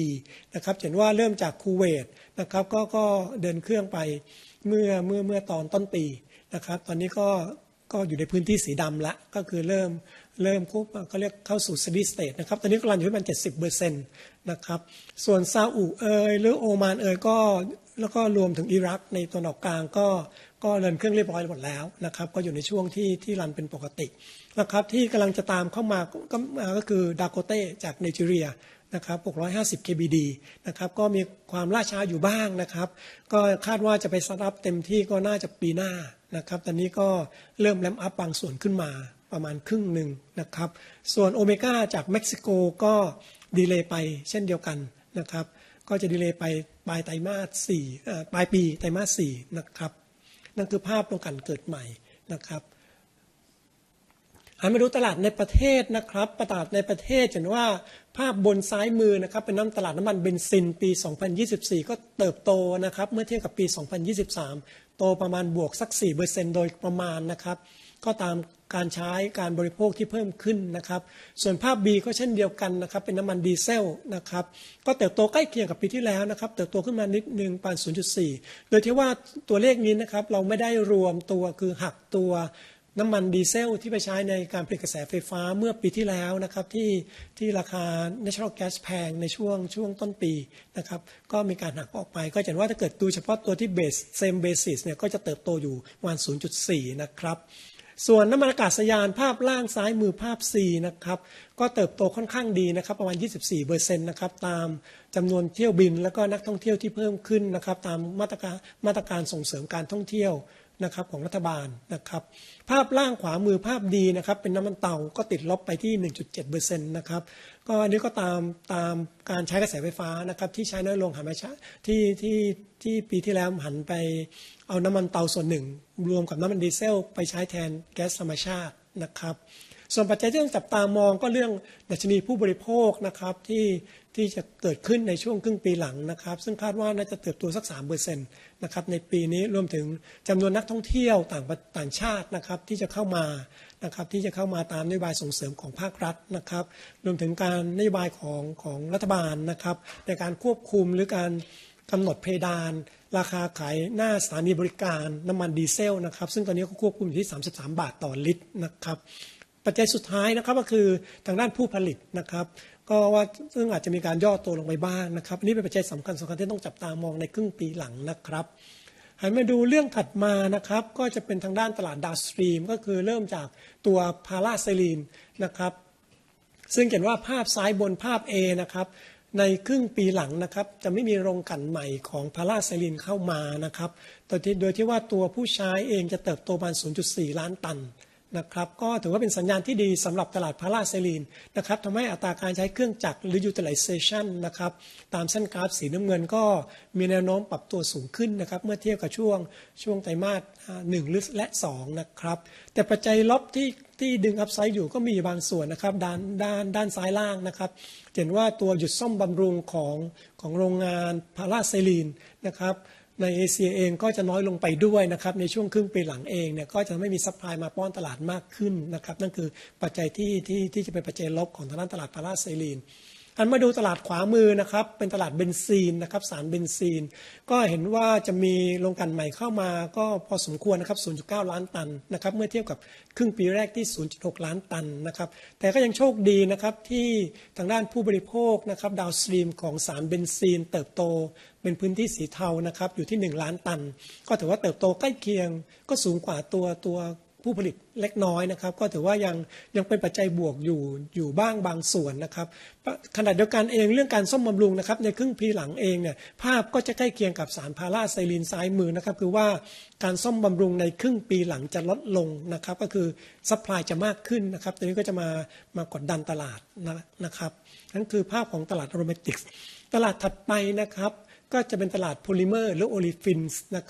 นะครับจะเห็นว่าเริ่มจากคูเวตนะครับก็เดินเครื่องไปเมื่อต้นปีนะครับตอนนี้ก็อยู่ในพื้นที่สีดำละก็คือเริ่มเข้าเรียกเข้าสู่ Steady State นะครับตอนนี้ก็รันอยู่ประมาณเจ็ดสิบเปอร์เซ็นต์นะครับส่วนซาอุดีอาระเบียหรือโอมานเองก็แล้วก็รวมถึงอิรักในตะวันออกกลางก็เดินเครื่องเรียบร้อยหมดแล้วนะครับก็อยู่ในช่วงที่รันเป็นปกตินะครับที่กำลังจะตามเข้ามาก็คือดาโกเต้จากไนจีเรียนะครับหกร้อยห้าสิบ kbd นะครับก็มีความล่าช้าอยู่บ้างนะครับก็คาดว่าจะไป Start up เต็มที่ก็น่าจะปีหน้านะครับตอนนี้ก็เริ่มแร็มอัพบางส่วนขึ้นมาประมาณครึ่งนึงนะครับส่วนโอเมก้าจากเม็กซิโกก็ดีเลย์ไปเช่นเดียวกันนะครับก็จะดีเลย์ไปปลายไตรมาสสี่ปลายปีไตรมาสสี่นะครับนั่นคือภาพโรงกลั่นเกิดใหม่นะครับหันมาดูตลาดในประเทศนะครับตลาดในประเทศจะเห็นว่าภาพบนซ้ายมือนะครับเป็นตลาดน้ำมันเบนซินปี2024ก็เติบโตนะครับเมื่อเทียบกับปี2023โตประมาณบวกสักสี่เปอร์เซ็นต์โดยประมาณนะครับก็ตามการใช้การบริโภคที่เพิ่มขึ้นนะครับส่วนภาพ B ก็เช่นเดียวกันนะครับเป็นน้ำมันดีเซลนะครับก็เติบโตใกล้เคียงกับปีที่แล้วนะครับเติบโตขึ้นมานิดนึงประมาณศูนย์จุดสี่โดยที่ว่าตัวเลขนี้นะครับเราไม่ได้รวมตัวคือหักตัวน้ำมันดีเซลที่ไปใช้ในการผลิตกระแสไฟฟ้าเมื่อปีที่แล้วนะครับที่ราคา Natural Gas แพงในช่วงต้นปีนะครับก็มีการหักออกไปก็จะเห็นว่าถ้าเกิดดูเฉพาะตัวที่ Base Same Basis เนี่ยก็จะเติบโตอยู่ประมาณศูนย์จุดสี่นะครับส่วนน้ำมันอากาศยานภาพล่างซ้ายมือภาพ C นะครับก็เติบโตค่อนข้างดีนะครับประมาณยี่สิบสี่เปอร์เซ็นต์นะครับตามจำนวนเที่ยวบินแล้วก็นักท่องเที่ยวที่เพิ่มขึ้นนะครับตามมาตรการส่งเสริมการท่องเที่ยวนะครับของรัฐบาลนะครับภาพล่างขวามือภาพ D นะครับเป็นน้ำมันเตาก็ติดลบไปที่หนึ่งจุดเจ็ดเปอร์เซ็นต์นะครับก็อันนี้ก็ตามการใช้กระแสไฟฟ้านะครับที่ใช้น้อยลงหันมาใช้ที่ปีที่แล้วหันไปเอาน้ำมันเตาส่วนหนึ่งรวมกับน้ำมันดีเซลไปใช้แทนแก๊สธรรมชาตินะครับส่วนปัจจัยที่ต้องจับตามองก็เรื่องดัชนีผู้บริโภคนะครับที่จะเกิดขึ้นในช่วงครึ่งปีหลังนะครับซึ่งคาดว่าน่าจะเติบโตสักสามเปอร์เซ็นต์นะครับในปีนี้รวมถึงจำนวนนักท่องเที่ยวต่างประเทศนะครับที่จะเข้ามานะครับที่จะเข้ามาตามนโยบายส่งเสริมของภาครัฐนะครับรวมถึงการนโยบายของรัฐบาลนะครับในการควบคุมหรือการกำหนดเพดานราคาขายหน้าสถานีบริการน้ำมันดีเซลนะครับซึ่งตอนนี้เขาควบคุมอยู่ที่สามสิบสามบาทต่อลิตรนะครับปัจจัยสุดท้ายนะครับก็คือทางด้านผู้ผลิตนะครับซึ่งอาจจะมีการย่อตัวลงไปบ้างนะครับอันนี้เป็นปัจจัยสำคัญที่ต้องจับตามองในครึ่งปีหลังนะครับหันมาดูเรื่องถัดมานะครับก็จะเป็นทางด้านตลาด downstream ก็คือเริ่มจากตัวพาราไซลีนนะครับซึ่งจะเห็นว่าภาพซ้ายบนภาพเอนะครับในครึ่งปีหลังนะครับจะไม่มีโรงกลั่นใหม่ของพาราไซลีนเข้ามานะครับโดยที่ตัวผู้ใช้เองจะเติบโตประมาณศูนย์จุดสี่ล้านตันนะครับก็ถือว่าเป็นสัญญาณที่ดีสำหรับตลาดพาราไซลีนนะครับทำให้อัตราการใช้เครื่องจักรหรือ utilization นะครับตามเส้นกราฟสีน้ำเงินก็มีแนวโน้มปรับตัวสูงขึ้นนะครับเมื่อเทียบกับช่วงไตรมาสหนึ่งหรือและสองนะครับแต่ปัจจัยลบที่ดึง upside อยู่ก็มีอยู่บางส่วนนะครับด้านซ้ายล่างนะครับจะเห็นว่าตัวหยุดซ่อมบำรุงของโรงงานพาราไซลีนนะครับในเอเชียเองก็จะน้อยลงไปด้วยนะครับในช่วงครึ่งปีหลังเองเนี่ยก็จะไม่มี supply มาป้อนตลาดมากขึ้นนะครับนั่นคือปัจจัยที่จะเป็นปัจจัยลบของทางด้านตลาดพาราไซลีนหันมาดูตลาดขวามือนะครับเป็นตลาดเบนซีนนะครับสารเบนซีนก็เห็นว่าจะมีโรงกลั่นใหม่เข้ามาก็พอสมควรนะครับศูนย์จุดเก้าล้านตันนะครับเมื่อเทียบกับครึ่งปีแรกที่ศูนย์จุดหกล้านตันนะครับแต่ก็ยังโชคดีนะครับที่ทางด้านผู้บริโภคนะครับ downstream ของสารเบนซีนเติบโตเป็นพื้นที่สีเทานะครับอยู่ที่หนึ่งล้านตันก็ถือว่าเติบโตใกล้เคียงก็สูงกว่าตัวผู้ผลิตเล็กน้อยนะครับก็ถือว่ายังเป็นปัจจัยบวกอยู่บางส่วนนะครับขณะเดียวกันเองเรื่องการซ่อมบำรุงนะครับในครึ่งปีหลังเองเนี่ยภาพก็จะใกล้เคียงกับสารพาราไซลีนซ้ายมือนะครับคือว่าการซ่อมบำรุงในครึ่งปีหลังจะลดลงนะครับก็คือ supply จะมากขึ้นนะครับตัวนี้ก็จะมากดดันตลาดนะครับนั่นคือภาพของตลาดอโรมาติกส์ตลาดถัดไปนะ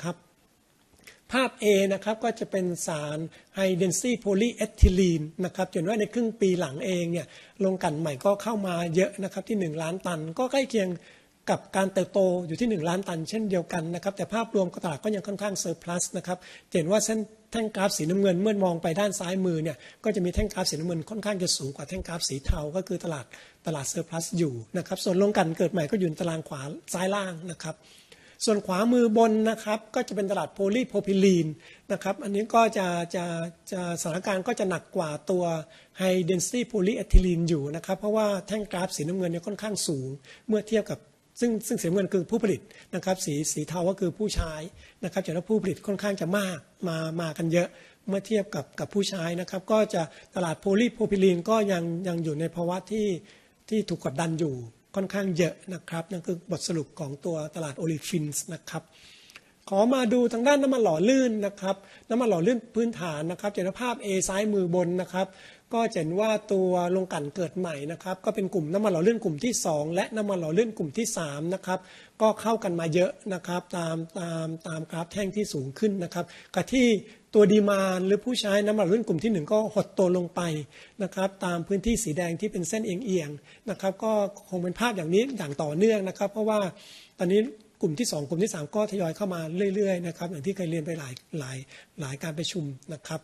ครับก็จะเป็นตลาดโพลิเมอร์หรือโอเลฟินส์นะครับภาพเอนะครับก็จะเป็นสารไฮเดนซิตี้โพลีเอทิลีนนะครับจะเห็นว่าในครึ่งปีหลังเองเนี่ยโรงกลั่นใหม่ก็เข้ามาเยอะนะครับที่หนึ่งล้านตันก็ใกล้เคียงกับการเติบโตอยู่ที่หนึ่งล้านตันเช่นเดียวกันนะครับแต่ภาพรวมตลาดก็ยังค่อนข้าง surplus นะครับจะเห็นว่าเส้นแท่งกราฟสีน้ำเงินเมื่อมองไปด้านซ้ายมือเนี่ยก็จะมีแท่งกราฟสีน้ำเงินค่อนข้างจะสูงกว่าแท่งกราฟสีเทาก็คือตลาด surplus อยู่นะครับส่วนโรงกลั่นเกิดใหม่ก็อยู่ในตารางขวาซ้ายล่างนะครับส่วนขวามือบนนะครับก็จะเป็นตลาดโพลีโพรพิลีนนะครับอันนี้ก็จะสถานการณ์ก็จะหนักกว่าตัวไฮเดนซิตี้โพลีเอทิลีนอยู่นะครับเพราะว่าแท่งกราฟสีน้ำเงินเนี่ยค่อนข้างสูงเมื่อเทียบกับซึ่งสีน้ำเงินคือผู้ผลิตนะครับสีเทาก็คือผู้ใช้นะครับจะเห็นว่าผู้ผลิตค่อนข้างจะมากเมื่อเทียบกับผู้ใช้นะครับก็จะตลาดโพลีโพรพิลีนก็ยังอยู่ในภาวะที่ถูกกดดันอยู่ค่อนข้างเยอะนะครับนั่นคือบทสรุปของตัวตลาดโอเลฟินส์นะครับขอมาดูทางด้านน้ำมันหล่อลื่นนะครับน้ำมันหล่อลื่นพื้นฐานนะครับจะเห็นภาพเอซ้ายมือบนนะครับก็จะเห็นว่าตัวโรงกลั่นเกิดใหม่นะครับก็เป็นกลุ่มน้ำมันหล่อลื่นกลุ่มที่สองและน้ำมันหล่อลื่นกลุ่มที่สามนะครับก็เข้ากันมาเยอะนะครับตามกราฟแท่งที่สูงขึ้นนะครับกับที่ตัว demand หรือผู้ใช้น้ำมันหล่อลื่นกลุ่มที่หนึ่งก็หดตัวลงไปนะครับตามพื้นที่สีแดงที่เป็นเส้นเอียงนะครับก็คงเป็นภาพอย่างนี้อย่างต่อเนื่องนะครับเพราะว่าตอนนี้กลุ่มที่สองกลุ่มที่สามก็เข้ามาเรื่อยๆนะครับอย่างที่เคยเรียนไปหลายการประชุมนะครับ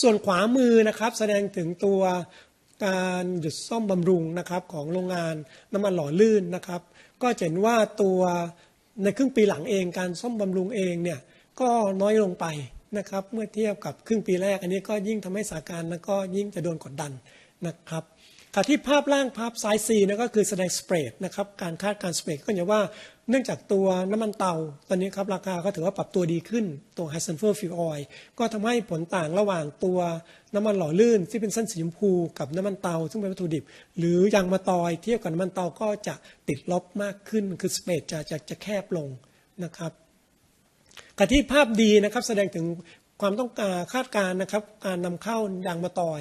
ส่วนขวามือนะครับแสดงถึงตัวการหยุดซ่อมบำรุงนะครับของโรงงานน้ำมันหล่อลื่นนะครับก็จะเห็นว่าตัวในครึ่งปีหลังเองการซ่อมบำรุงเองเนี่ยก็น้อยลงไปนะครับเมื่อเทียบกับครึ่งปีแรกอันนี้ก็ยิ่งทำให้สถานการณ์นั้นก็ยิ่งจะโดนกดดันนะครับกับที่ภาพล่างภาพซ้ายซีนั้นก็คือแสดงสเปรดนะครับการคาดการณ์สเปรดก็จะเห็นว่าเนื่องจากตัวน้ำมันเตาตอนนี้ครับราคาก็ถือว่าปรับตัวดีขึ้นตัว high sulfur fuel oil ก็ทำให้ผลต่างระหว่างตัวน้ำมันหล่อลื่นที่เป็นเส้นสีชมพูกับน้ำมันเตาซึ่งเป็นวัตถุดิบหรือยางมะตอยเทียบกับน้ำมันเตาก็จะติดลบมากขึ้นคือสเปรดจะแคบลงนะครับกับที่ภาพดีนะครับแสดงถึงความต้องการคาดการณ์นะครับการนำเข้ายางมะตอย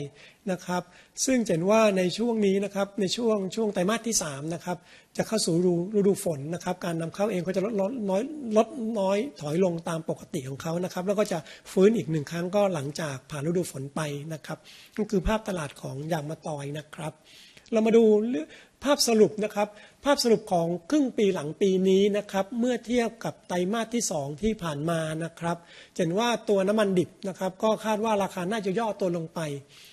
นะครับซึ่งจะเห็นว่าในช่วงนี้นะครับในช่วงไตรมาสที่สามนะครับจะเข้าสู่ฤดูฝนนะครับการนำเข้าเองก็จะลดน้อยถอยลงตามปกติของเขานะครับแล้วก็จะฟื้นอีกหนึ่งครั้งก็หลังจากผ่านฤดูฝนไปนะครับนั่นคือภาพตลาดของยางมะตอยนะครับเรามาดูเรื่องภาพสรุปนะครับภาพสรุปของครึ่งปีหลังปีนี้นะครับเมื่อเทียบกับไตรมาสที่สองที่ผ่านมานะครับจะเห็นว่าตัวน้ำมันดิบนะครับก็คาดว่าราคาน่าจะย่อตัวลงไป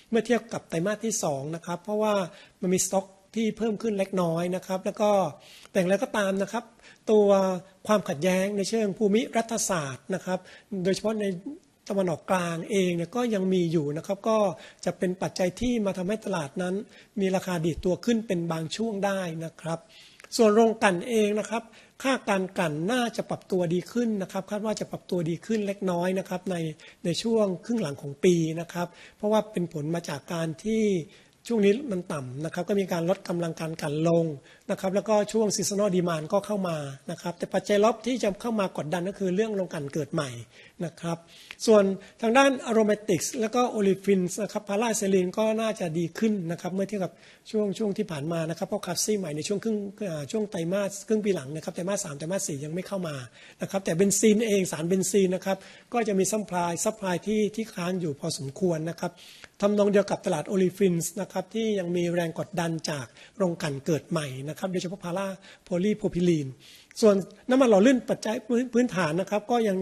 เมื่อเทียบกับไตรมาสที่สองนะครับเพราะว่ามันมีสต็อกที่เพิ่มขึ้นเล็กน้อยนะครับแต่อย่างไรก็ตามนะครับตัวความขัดแย้งในเชิงภูมิรัฐศาสตร์นะครับโดยเฉพาะในตะวันออกกลางเองเนี่ยก็ยังมีอยู่นะครับก็จะเป็นปัจจัยที่มาทำให้ตลาดนั้นมีราคาดีดตัวขึ้นเป็นบางช่วงได้นะครับส่วนโรงกลั่นเองนะครับค่าการกลั่นน่าจะปรับตัวดีขึ้นนะครับคาดว่าจะปรับตัวดีขึ้นเล็กน้อยนะครับในช่วงครึ่งหลังของปีนะครับเพราะว่าเป็นผลมาจากการที่ช่วงนี้มันต่ำนะครับก็มีการลดกำลังการกลั่นลงนะครับแล้วก็ช่วง seasonal demand ก็เข้ามานะครับแต่ปัจจัยลบที่จะเข้ามากดดันก็คือเรื่องโรงกลั่นเกิดใหม่นะครับส่วนทางด้านอโรมาติกส์แล้วก็โอเลฟินส์นะครับพาราไซลีนก็น่าจะดีขึ้นนะครับเมื่อเทียบกับช่วงที่ผ่านมานะครับเพราะ capacity ใหม่ในช่วงครึ่งปีหลังนะครับไตรมาสสามไตรมาสสี่ยังไม่เข้ามานะครับแต่เบนซินเองสารเบนซินนะครับก็จะมีซัพพลายที่ค้างอยู่พอสมควรนะครับทำนองเดียวกับตลาดโอเลฟินส์นะครับที่ยังมีแรงกดดันจากโรงกลั่นเกิดใหม่นะครับโดยเฉพาะโพลีโพรพิลีนส่วนน้ำมันหล่อลื่นปัจจัยพื้นฐานนะครับก็ยัง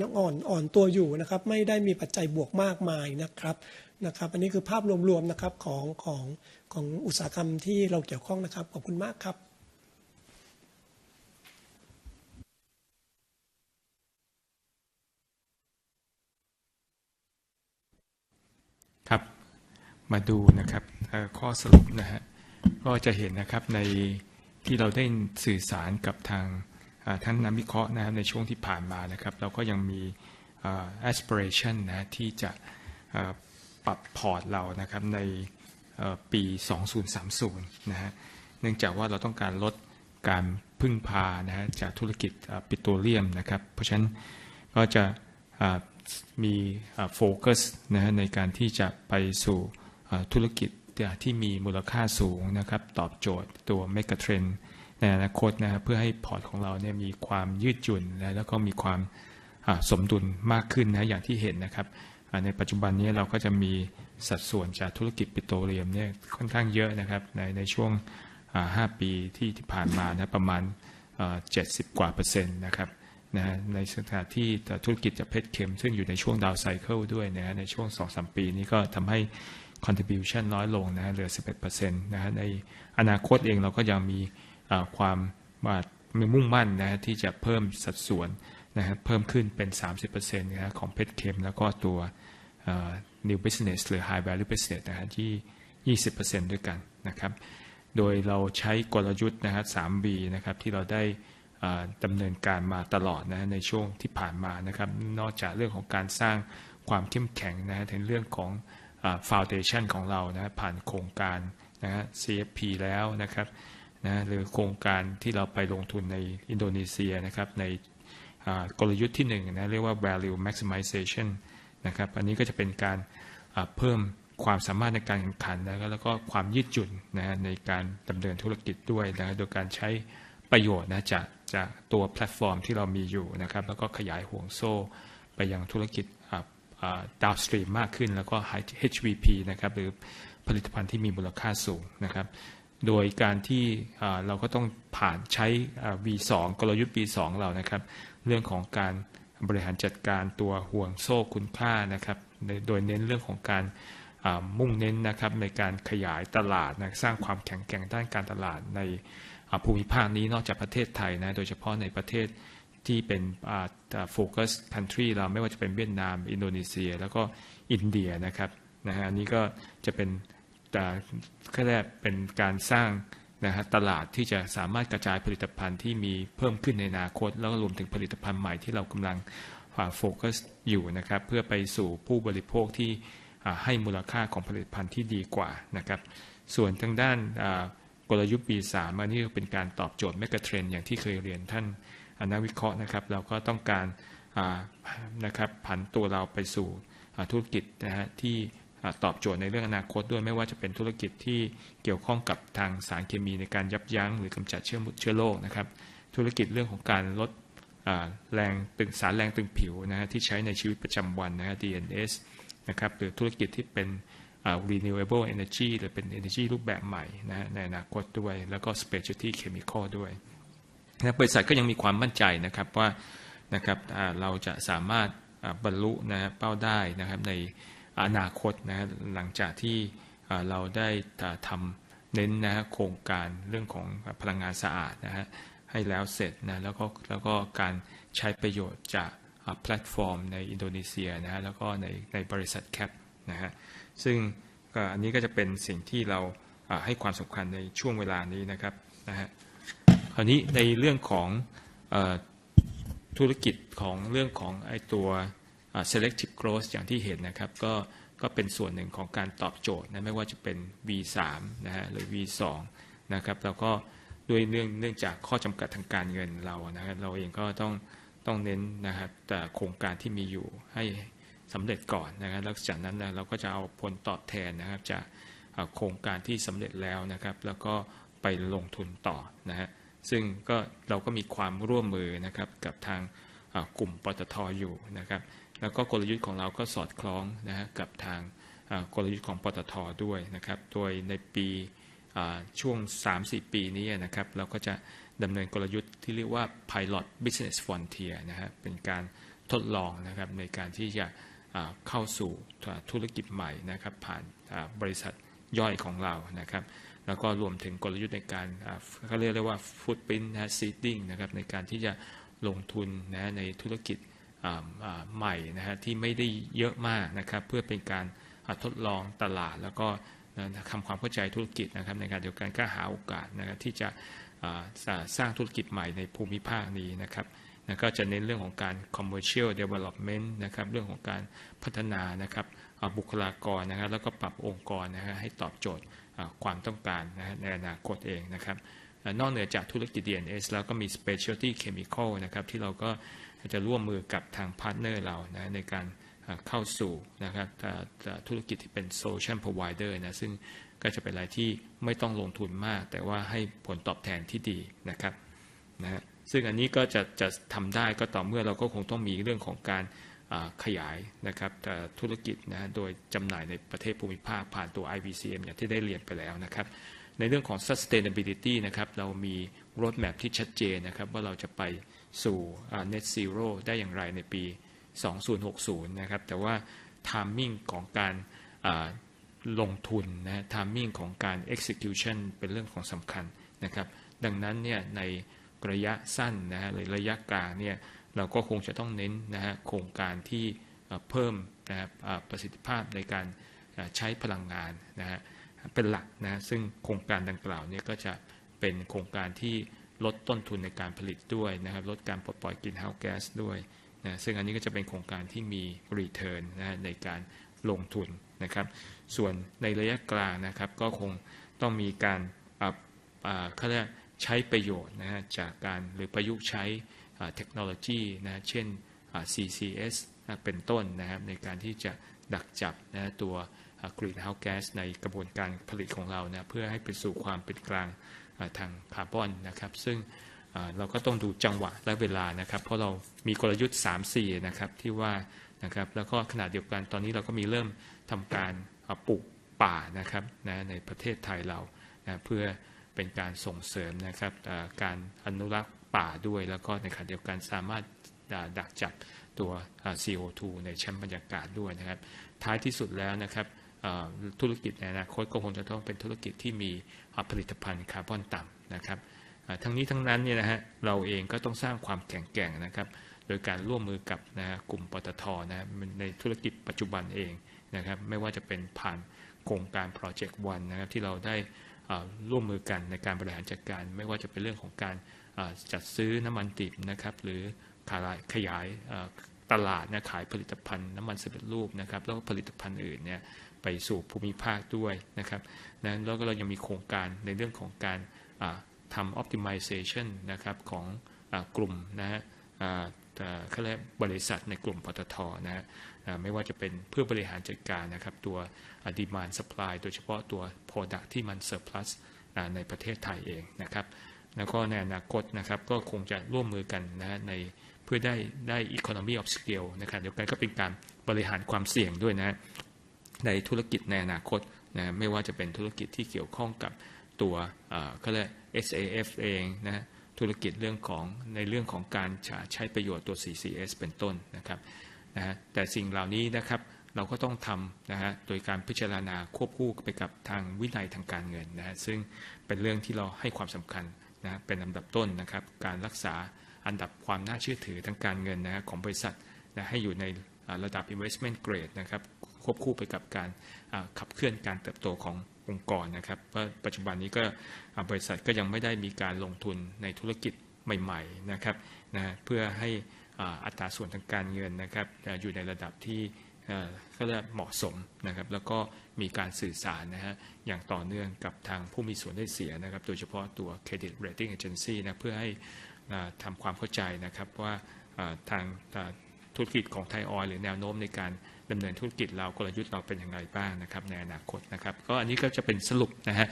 อ่อนตัวอยู่นะครับไม่ได้มีปัจจัยบวกมากมายนะครับอันนี้คือภาพรวมของอุตสาหกรรมที่เราเกี่ยวข้องนะครับขอบคุณมากครับครับมาดูนะครับเอ่อข้อสรุปนะฮะก็จะเห็นนะครับในที่เราได้สื่อสารกับทางท่านนักวิเคราะห์นะครับในช่วงที่ผ่านมานะครับเราก็ยังมีเอ่อ Aspiration นะฮะที่จะเอ่อปรับพอร์ตเรานะครับในเอ่อปี2030นะฮะเนื่องจากว่าเราต้องการลดการพึ่งพานะฮะจากธุรกิจปิโตรเลียมนะครับเพราะฉะนั้นก็จะเอ่อมีโฟกัสนะฮะในการที่จะไปสู่ธุรกิจที่มีมูลค่าสูงนะครับตอบโจทย์ตัวเมกะเทรนด์ในอนาคตนะฮะเพื่อให้พอร์ตของเราเนี่ยมีความยืดหยุ่นและก็มีความสมดุลมากขึ้นนะอย่างที่เห็นนะครับในปัจจุบันนี้เราก็จะมีสัดส่วนจากธุรกิจปิโตรเลียมเนี่ยค่อนข้างเยอะนะครับในช่วงห้าปีที่ผ่านมานะประมาณเอ่อเจ็ดสิบกว่าเปอร์เซ็นต์นะครับนะฮะในขณะที่ธุรกิจจากเพชรเคมซึ่งอยู่ในช่วง Down Cycle ด้วยนะฮะในช่วงสองสามปีนี้ก็ทำให้ Contribution น้อยลงนะฮะเหลือสิบเอ็ดเปอร์เซ็นต์นะฮะในอนาคตเองเราก็ยังมีความมุ่งมั่นนะฮะที่จะเพิ่มสัดส่วนนะฮะเพิ่มขึ้นเป็นสามสิบเปอร์เซ็นต์นะฮะของเพชรเคมแล้วก็ตัวเอ่อ New Business หรือ High Value Business นะฮะที่ยี่สิบเปอร์เซ็นต์ด้วยกันนะครับโดยเราใช้กลยุทธ์นะครับสาม B นะครับที่เราได้เอ่อดำเนินการมาตลอดนะฮะในช่วงที่ผ่านมานะครับนอกจากเรื่องของการสร้างความเข้มแข็งนะฮะในเรื่องของ Foundation ของเรานะฮะผ่านโครงการนะฮะ CFP แล้วนะครับนะฮะหรือโครงการที่เราไปลงทุนในอินโดนีเซียนะครับในเอ่อกลยุทธ์ที่หนึ่งนะเรียกว่า Value Maximization นะครับอันนี้ก็จะเป็นการเพิ่มความสามารถในการแข่งขันและก็ความยืดหยุ่นนะฮะในการดำเนินธุรกิจด้วยนะฮะโดยการใช้ประโยชน์นะจากตัวแพลตฟอร์มที่เรามีอยู่นะครับแล้วก็ขยายห่วงโซ่ไปยังธุรกิจเอ่อ Downstream มากขึ้นแล้วก็ HVP นะครับหรือผลิตภัณฑ์ที่มีมูลค่าสูงนะครับโดยการที่เราก็ต้องผ่านใช้ V2 กลยุทธ์ V2 ของเรานะครับเรื่องของการบริหารจัดการตัวห่วงโซ่คุณค่านะครับโดยเน้นเรื่องของการมุ่งเน้นนะครับในการขยายตลาดนะสร้างความแข็งแกร่งด้านการตลาดในภูมิภาคนี้นอกจากประเทศไทยนะโดยเฉพาะในประเทศที่เป็นเอ่อ Focus Country เราไม่ว่าจะเป็นเวียดนามอินโดนีเซียและก็อินเดียนะครับนะฮะอันนี้ก็จะเป็นแต่เขาเรียกเป็นการสร้างนะฮะตลาดที่จะสามารถกระจายผลิตภัณฑ์ที่มีเพิ่มขึ้นในอนาคตแล้วก็รวมถึงผลิตภัณฑ์ใหม่ที่เรากำลังโฟกัสอยู่นะครับเพื่อไปสู่ผู้บริโภคที่ให้มูลค่าของผลิตภัณฑ์ที่ดีกว่านะครับส่วนทางด้านเอ่อกลยุทธ์ V3 อันนี้ก็เป็นการตอบโจทย์เมกะเทรนด์อย่างที่เคยเรียนท่านนักวิเคราะห์นะครับเราก็ต้องการอ่านะครับผันตัวเราไปสู่ธุรกิจนะฮะที่ตอบโจทย์ในเรื่องอนาคตด้วยไม่ว่าจะเป็นธุรกิจที่เกี่ยวข้องกับทางสารเคมีในการยับยั้งหรือกำจัดเชื้อหมุดเชื้อโรคนะครับธุรกิจเรื่องของการลดเอ่อแรงตึงสารแรงตึงผิวนะฮะที่ใช้ในชีวิตประจำวันนะฮะ DNS นะครับหรือธุรกิจที่เป็น Renewable Energy หรือเป็น Energy รูปแบบใหม่นะฮะในอนาคตด้วยแล้วก็ Specialty Chemical ด้วยและบริษัทก็ยังมีความมั่นใจนะครับว่านะครับเราจะสามารถบรรลุเป้าได้นะครับในอนาคตนะฮะหลังจากที่เราได้ทำเน้นนะฮะโครงการเรื่องของพลังงานสะอาดนะฮะให้แล้วเสร็จนะแล้วก็การใช้ประโยชน์จากแพลตฟอร์มในอินโดนีเซียนะฮะแล้วก็ในบริษัท CAP นะฮะซึ่งอันนี้ก็จะเป็นสิ่งที่เราให้ความสำคัญในช่วงเวลานี้นะครับนะฮะคราวนี้ในเรื่องของเอ่อธุรกิจของเรื่องของไอตัว Selective Growth อย่างที่เห็นนะครับก็เป็นส่วนหนึ่งของการตอบโจทย์นะไม่ว่าจะเป็น V3 นะฮะหรือ V2 นะครับเราก็ด้วยเนื่องจากข้อจำกัดทางการเงินเรานะฮะเราเองก็ต้องเน้นนะฮะแต่โครงการที่มีอยู่ให้สำเร็จก่อนนะฮะแล้วจากนั้นเราก็จะเอาผลตอบแทนนะฮะจากโครงการที่สำเร็จแล้วนะครับแล้วก็ไปลงทุนต่อนะฮะซึ่งก็เราก็มีความร่วมมือนะครับกับทางกลุ่มปต ท. อยู่นะครับแล้วก็กลยุทธ์ของเราก็สอดคล้องนะฮะกับทางกลยุทธ์ของปต ท. ด้วยนะครับโดยในปีช่วงสามสี่ปีนี้นะครับเราก็จะดำเนินกลยุทธ์ที่เรียกว่า Pilot Business Frontier นะฮะเป็นการทดลองนะครับในการที่จะเข้าสู่ธุรกิจใหม่นะครับผ่านบริษัทย่อยของเรานะครับแล้วก็รวมถึงกลยุทธ์ในการเข้าเรียกว่า Footprint Seeding นะครับในการที่จะลงทุนนะในธุรกิจใหม่นะฮะที่ไม่ได้เยอะมากนะครับเพื่อเป็นการทดลองตลาดแล้วก็ทำความเข้าใจธุรกิจนะครับในขณะเดียวกันก็หาโอกาสนะฮะที่จะสร้างธุรกิจใหม่ในภูมิภาคนี้นะครับแล้วก็จะเน้นเรื่องของการ Commercial Development นะครับเรื่องของการพัฒนานะครับบุคลากรนะฮะแล้วก็ปรับองค์กรนะฮะให้ตอบโจทย์ความต้องการนะฮะในอนาคตนะครับนอกเหนือจากธุรกิจ DNS แล้วก็มี Specialty Chemical นะครับที่เราก็จะร่วมมือกับทาง Partner เรานะในการเข้าสู่นะครับธุรกิจที่เป็น Solution Provider นะซึ่งก็จะเป็นอะไรที่ไม่ต้องลงทุนมากแต่ว่าให้ผลตอบแทนที่ดีนะครับนะฮะซึ่งอันนี้ก็จะทำได้ก็ต่อเมื่อเราก็คงต้องมีเรื่องของการขยายนะครับธุรกิจนะฮะโดยจำหน่ายในประเทศภูมิภาคผ่านตัว IVCM อย่างที่ได้เรียนไปแล้วนะครับในเรื่องของ Sustainability นะครับเรามี Roadmap ที่ชัดเจนนะครับว่าเราจะไปสู่ Net Zero ได้อย่างไรในปี2060นะครับแต่ว่า Timing ของกา ร... ลงทุนนะ Timing ของการ Execution เป็นเรื่องสำคัญนะครับดังนั้นในระยะสั้นนะหรือระยะกลางเราก็คงจะต้องเน้นโครงการที่เพิ่มประสิทธิภาพในการใช้พลังงานนะเป็นหลักซึ่งโครงการดังกล่าวก็จะเป็นโครงการที่ลดต้นทุนในการผลิตด้วยนะครับลดการปลดปล่อย Green House Gas ด้วยซึ่งอันนี้ก็จะเป็นโครงการที่มี Return ในการลงทุนนะครับส่วนในระยะกลางนะครับก็คงต้องมีการประยุกต์ใช้ประโยชน์จากการประยุกต์ใช้ Technology เช่น CCS เป็นต้นในการที่จะดักจับตัว Green House Gas ในกระบวนการผลิตของเราเพื่อให้ไปสู่ความเป็นกลางทางคาร์บอนนะครับซึ่งเราก็ต้องดูจังหวะและเวลานะครับเพราะเรามีกลยุทธ์สามซีนะครับขณะเดียวกันตอนนี้เราก็มีเริ่มทำการปลูกป่านะครับในประเทศไทยเราเพื่อเป็นการส่งเสริมการอนุรักษ์ป่าด้วยและในขณะเดียวกันสามารถดักจับตัว CO2 ในชั้นบรรยากาศด้วยนะครับท้ายที่สุดแล้วนะครับธุรกิจในอนาคตก็คงจะต้องเป็นธุรกิจที่มีผลิตภัณฑ์คาร์บอนต่ำนะครับทั้งนี้ทั้งนั้นเราเองก็ต้องสร้างความแข็งแกร่งโดยการร่วมมือกับกลุ่มปต ท. ในธุรกิจปัจจุบันเองนะครับไม่ว่าจะเป็นผ่านโครงการ Project One นะครับที่เราได้ร่วมมือกันในการบริหารจัดการไม่ว่าจะเป็นเรื่องของการจัดซื้อน้ำมันดิบนะครับหรือขยายตลาดขายผลิตภัณฑ์น้ำมันสำเร็จรูปนะครับแล้วก็ผลิตภัณฑ์อื่นเนี่ยไปสู่ภูมิภาคด้วยนะครับแล้วเราก็ยังมีโครงการในเรื่องของการทำ Optimization นะครับของกลุ่มนะเขาเรียกบริษัทในกลุ่มปต ท. นะฮะไม่ว่าจะเป็นเพื่อบริหารจัดการนะครับตัว Demand Supply โดยเฉพาะตัว Product ที่มัน Surplus ในประเทศไทยเองนะครับแล้วก็ในอนาคตนะครับก็คงจะร่วมมือกันนะฮะเพื่อได้ได้ Economy of Scale ในขณะเดียวกันก็เป็นการบริหารความเสี่ยงด้วยนะฮะในธุรกิจในอนาคตนะไม่ว่าจะเป็นธุรกิจที่เกี่ยวข้องกับตัวเขาเรียก SAF เองนะธุรกิจเรื่องของในเรื่องของการใช้ประโยชน์ตัว CCS เป็นต้นนะครับนะฮะแต่สิ่งเหล่านี้นะครับเราก็ต้องทำนะฮะโดยการพิจารณาควบคู่ไปกับทางวินัยทางการเงินนะฮะซึ่งเป็นเรื่องที่เราให้ความสำคัญนะเป็นอันดับต้นนะครับการรักษาอันดับความน่าเชื่อถือทางการเงินนะฮะของบริษัทและให้อยู่ในระดับ Investment Grade นะครับควบคู่ไปกับการขับเคลื่อนการเติบโตขององค์กรนะครับเพราะปัจจุบันนี้ก็บริษัทก็ยังไม่ได้มีการลงทุนในธุรกิจใหม่ๆนะครับนะเพื่อให้อัตราส่วนทางการเงินนะครับอยู่ในระดับที่เอ่อเขาเรียกเหมาะสมนะครับแล้วก็มีการสื่อสารนะฮะอย่างต่อเนื่องกับทางผู้มีส่วนได้เสียนะครับโดยเฉพาะตัว Credit Rating Agency นะเพื่อให้อ่าทำความเข้าใจนะครับว่าทางธุรกิจของไทยออยล์หรือแนวโน้มในการดำเนินธุรกิจเรากลยุทธ์เราเป็นอย่างไรบ้างนะครับในอนาคตนะครับก็อันนี้ก็จะเป็นสรุปนะฮะ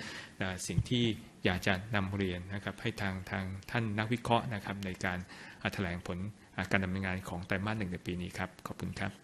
สิ่งที่อยากจะนำเรียนนะครับให้ทางทางท่านนักวิเคราะห์นะครับในการแถลงผลการดำเนินงานของไตรมาสหนึ่งในปีนี้ครับขอบคุณครับ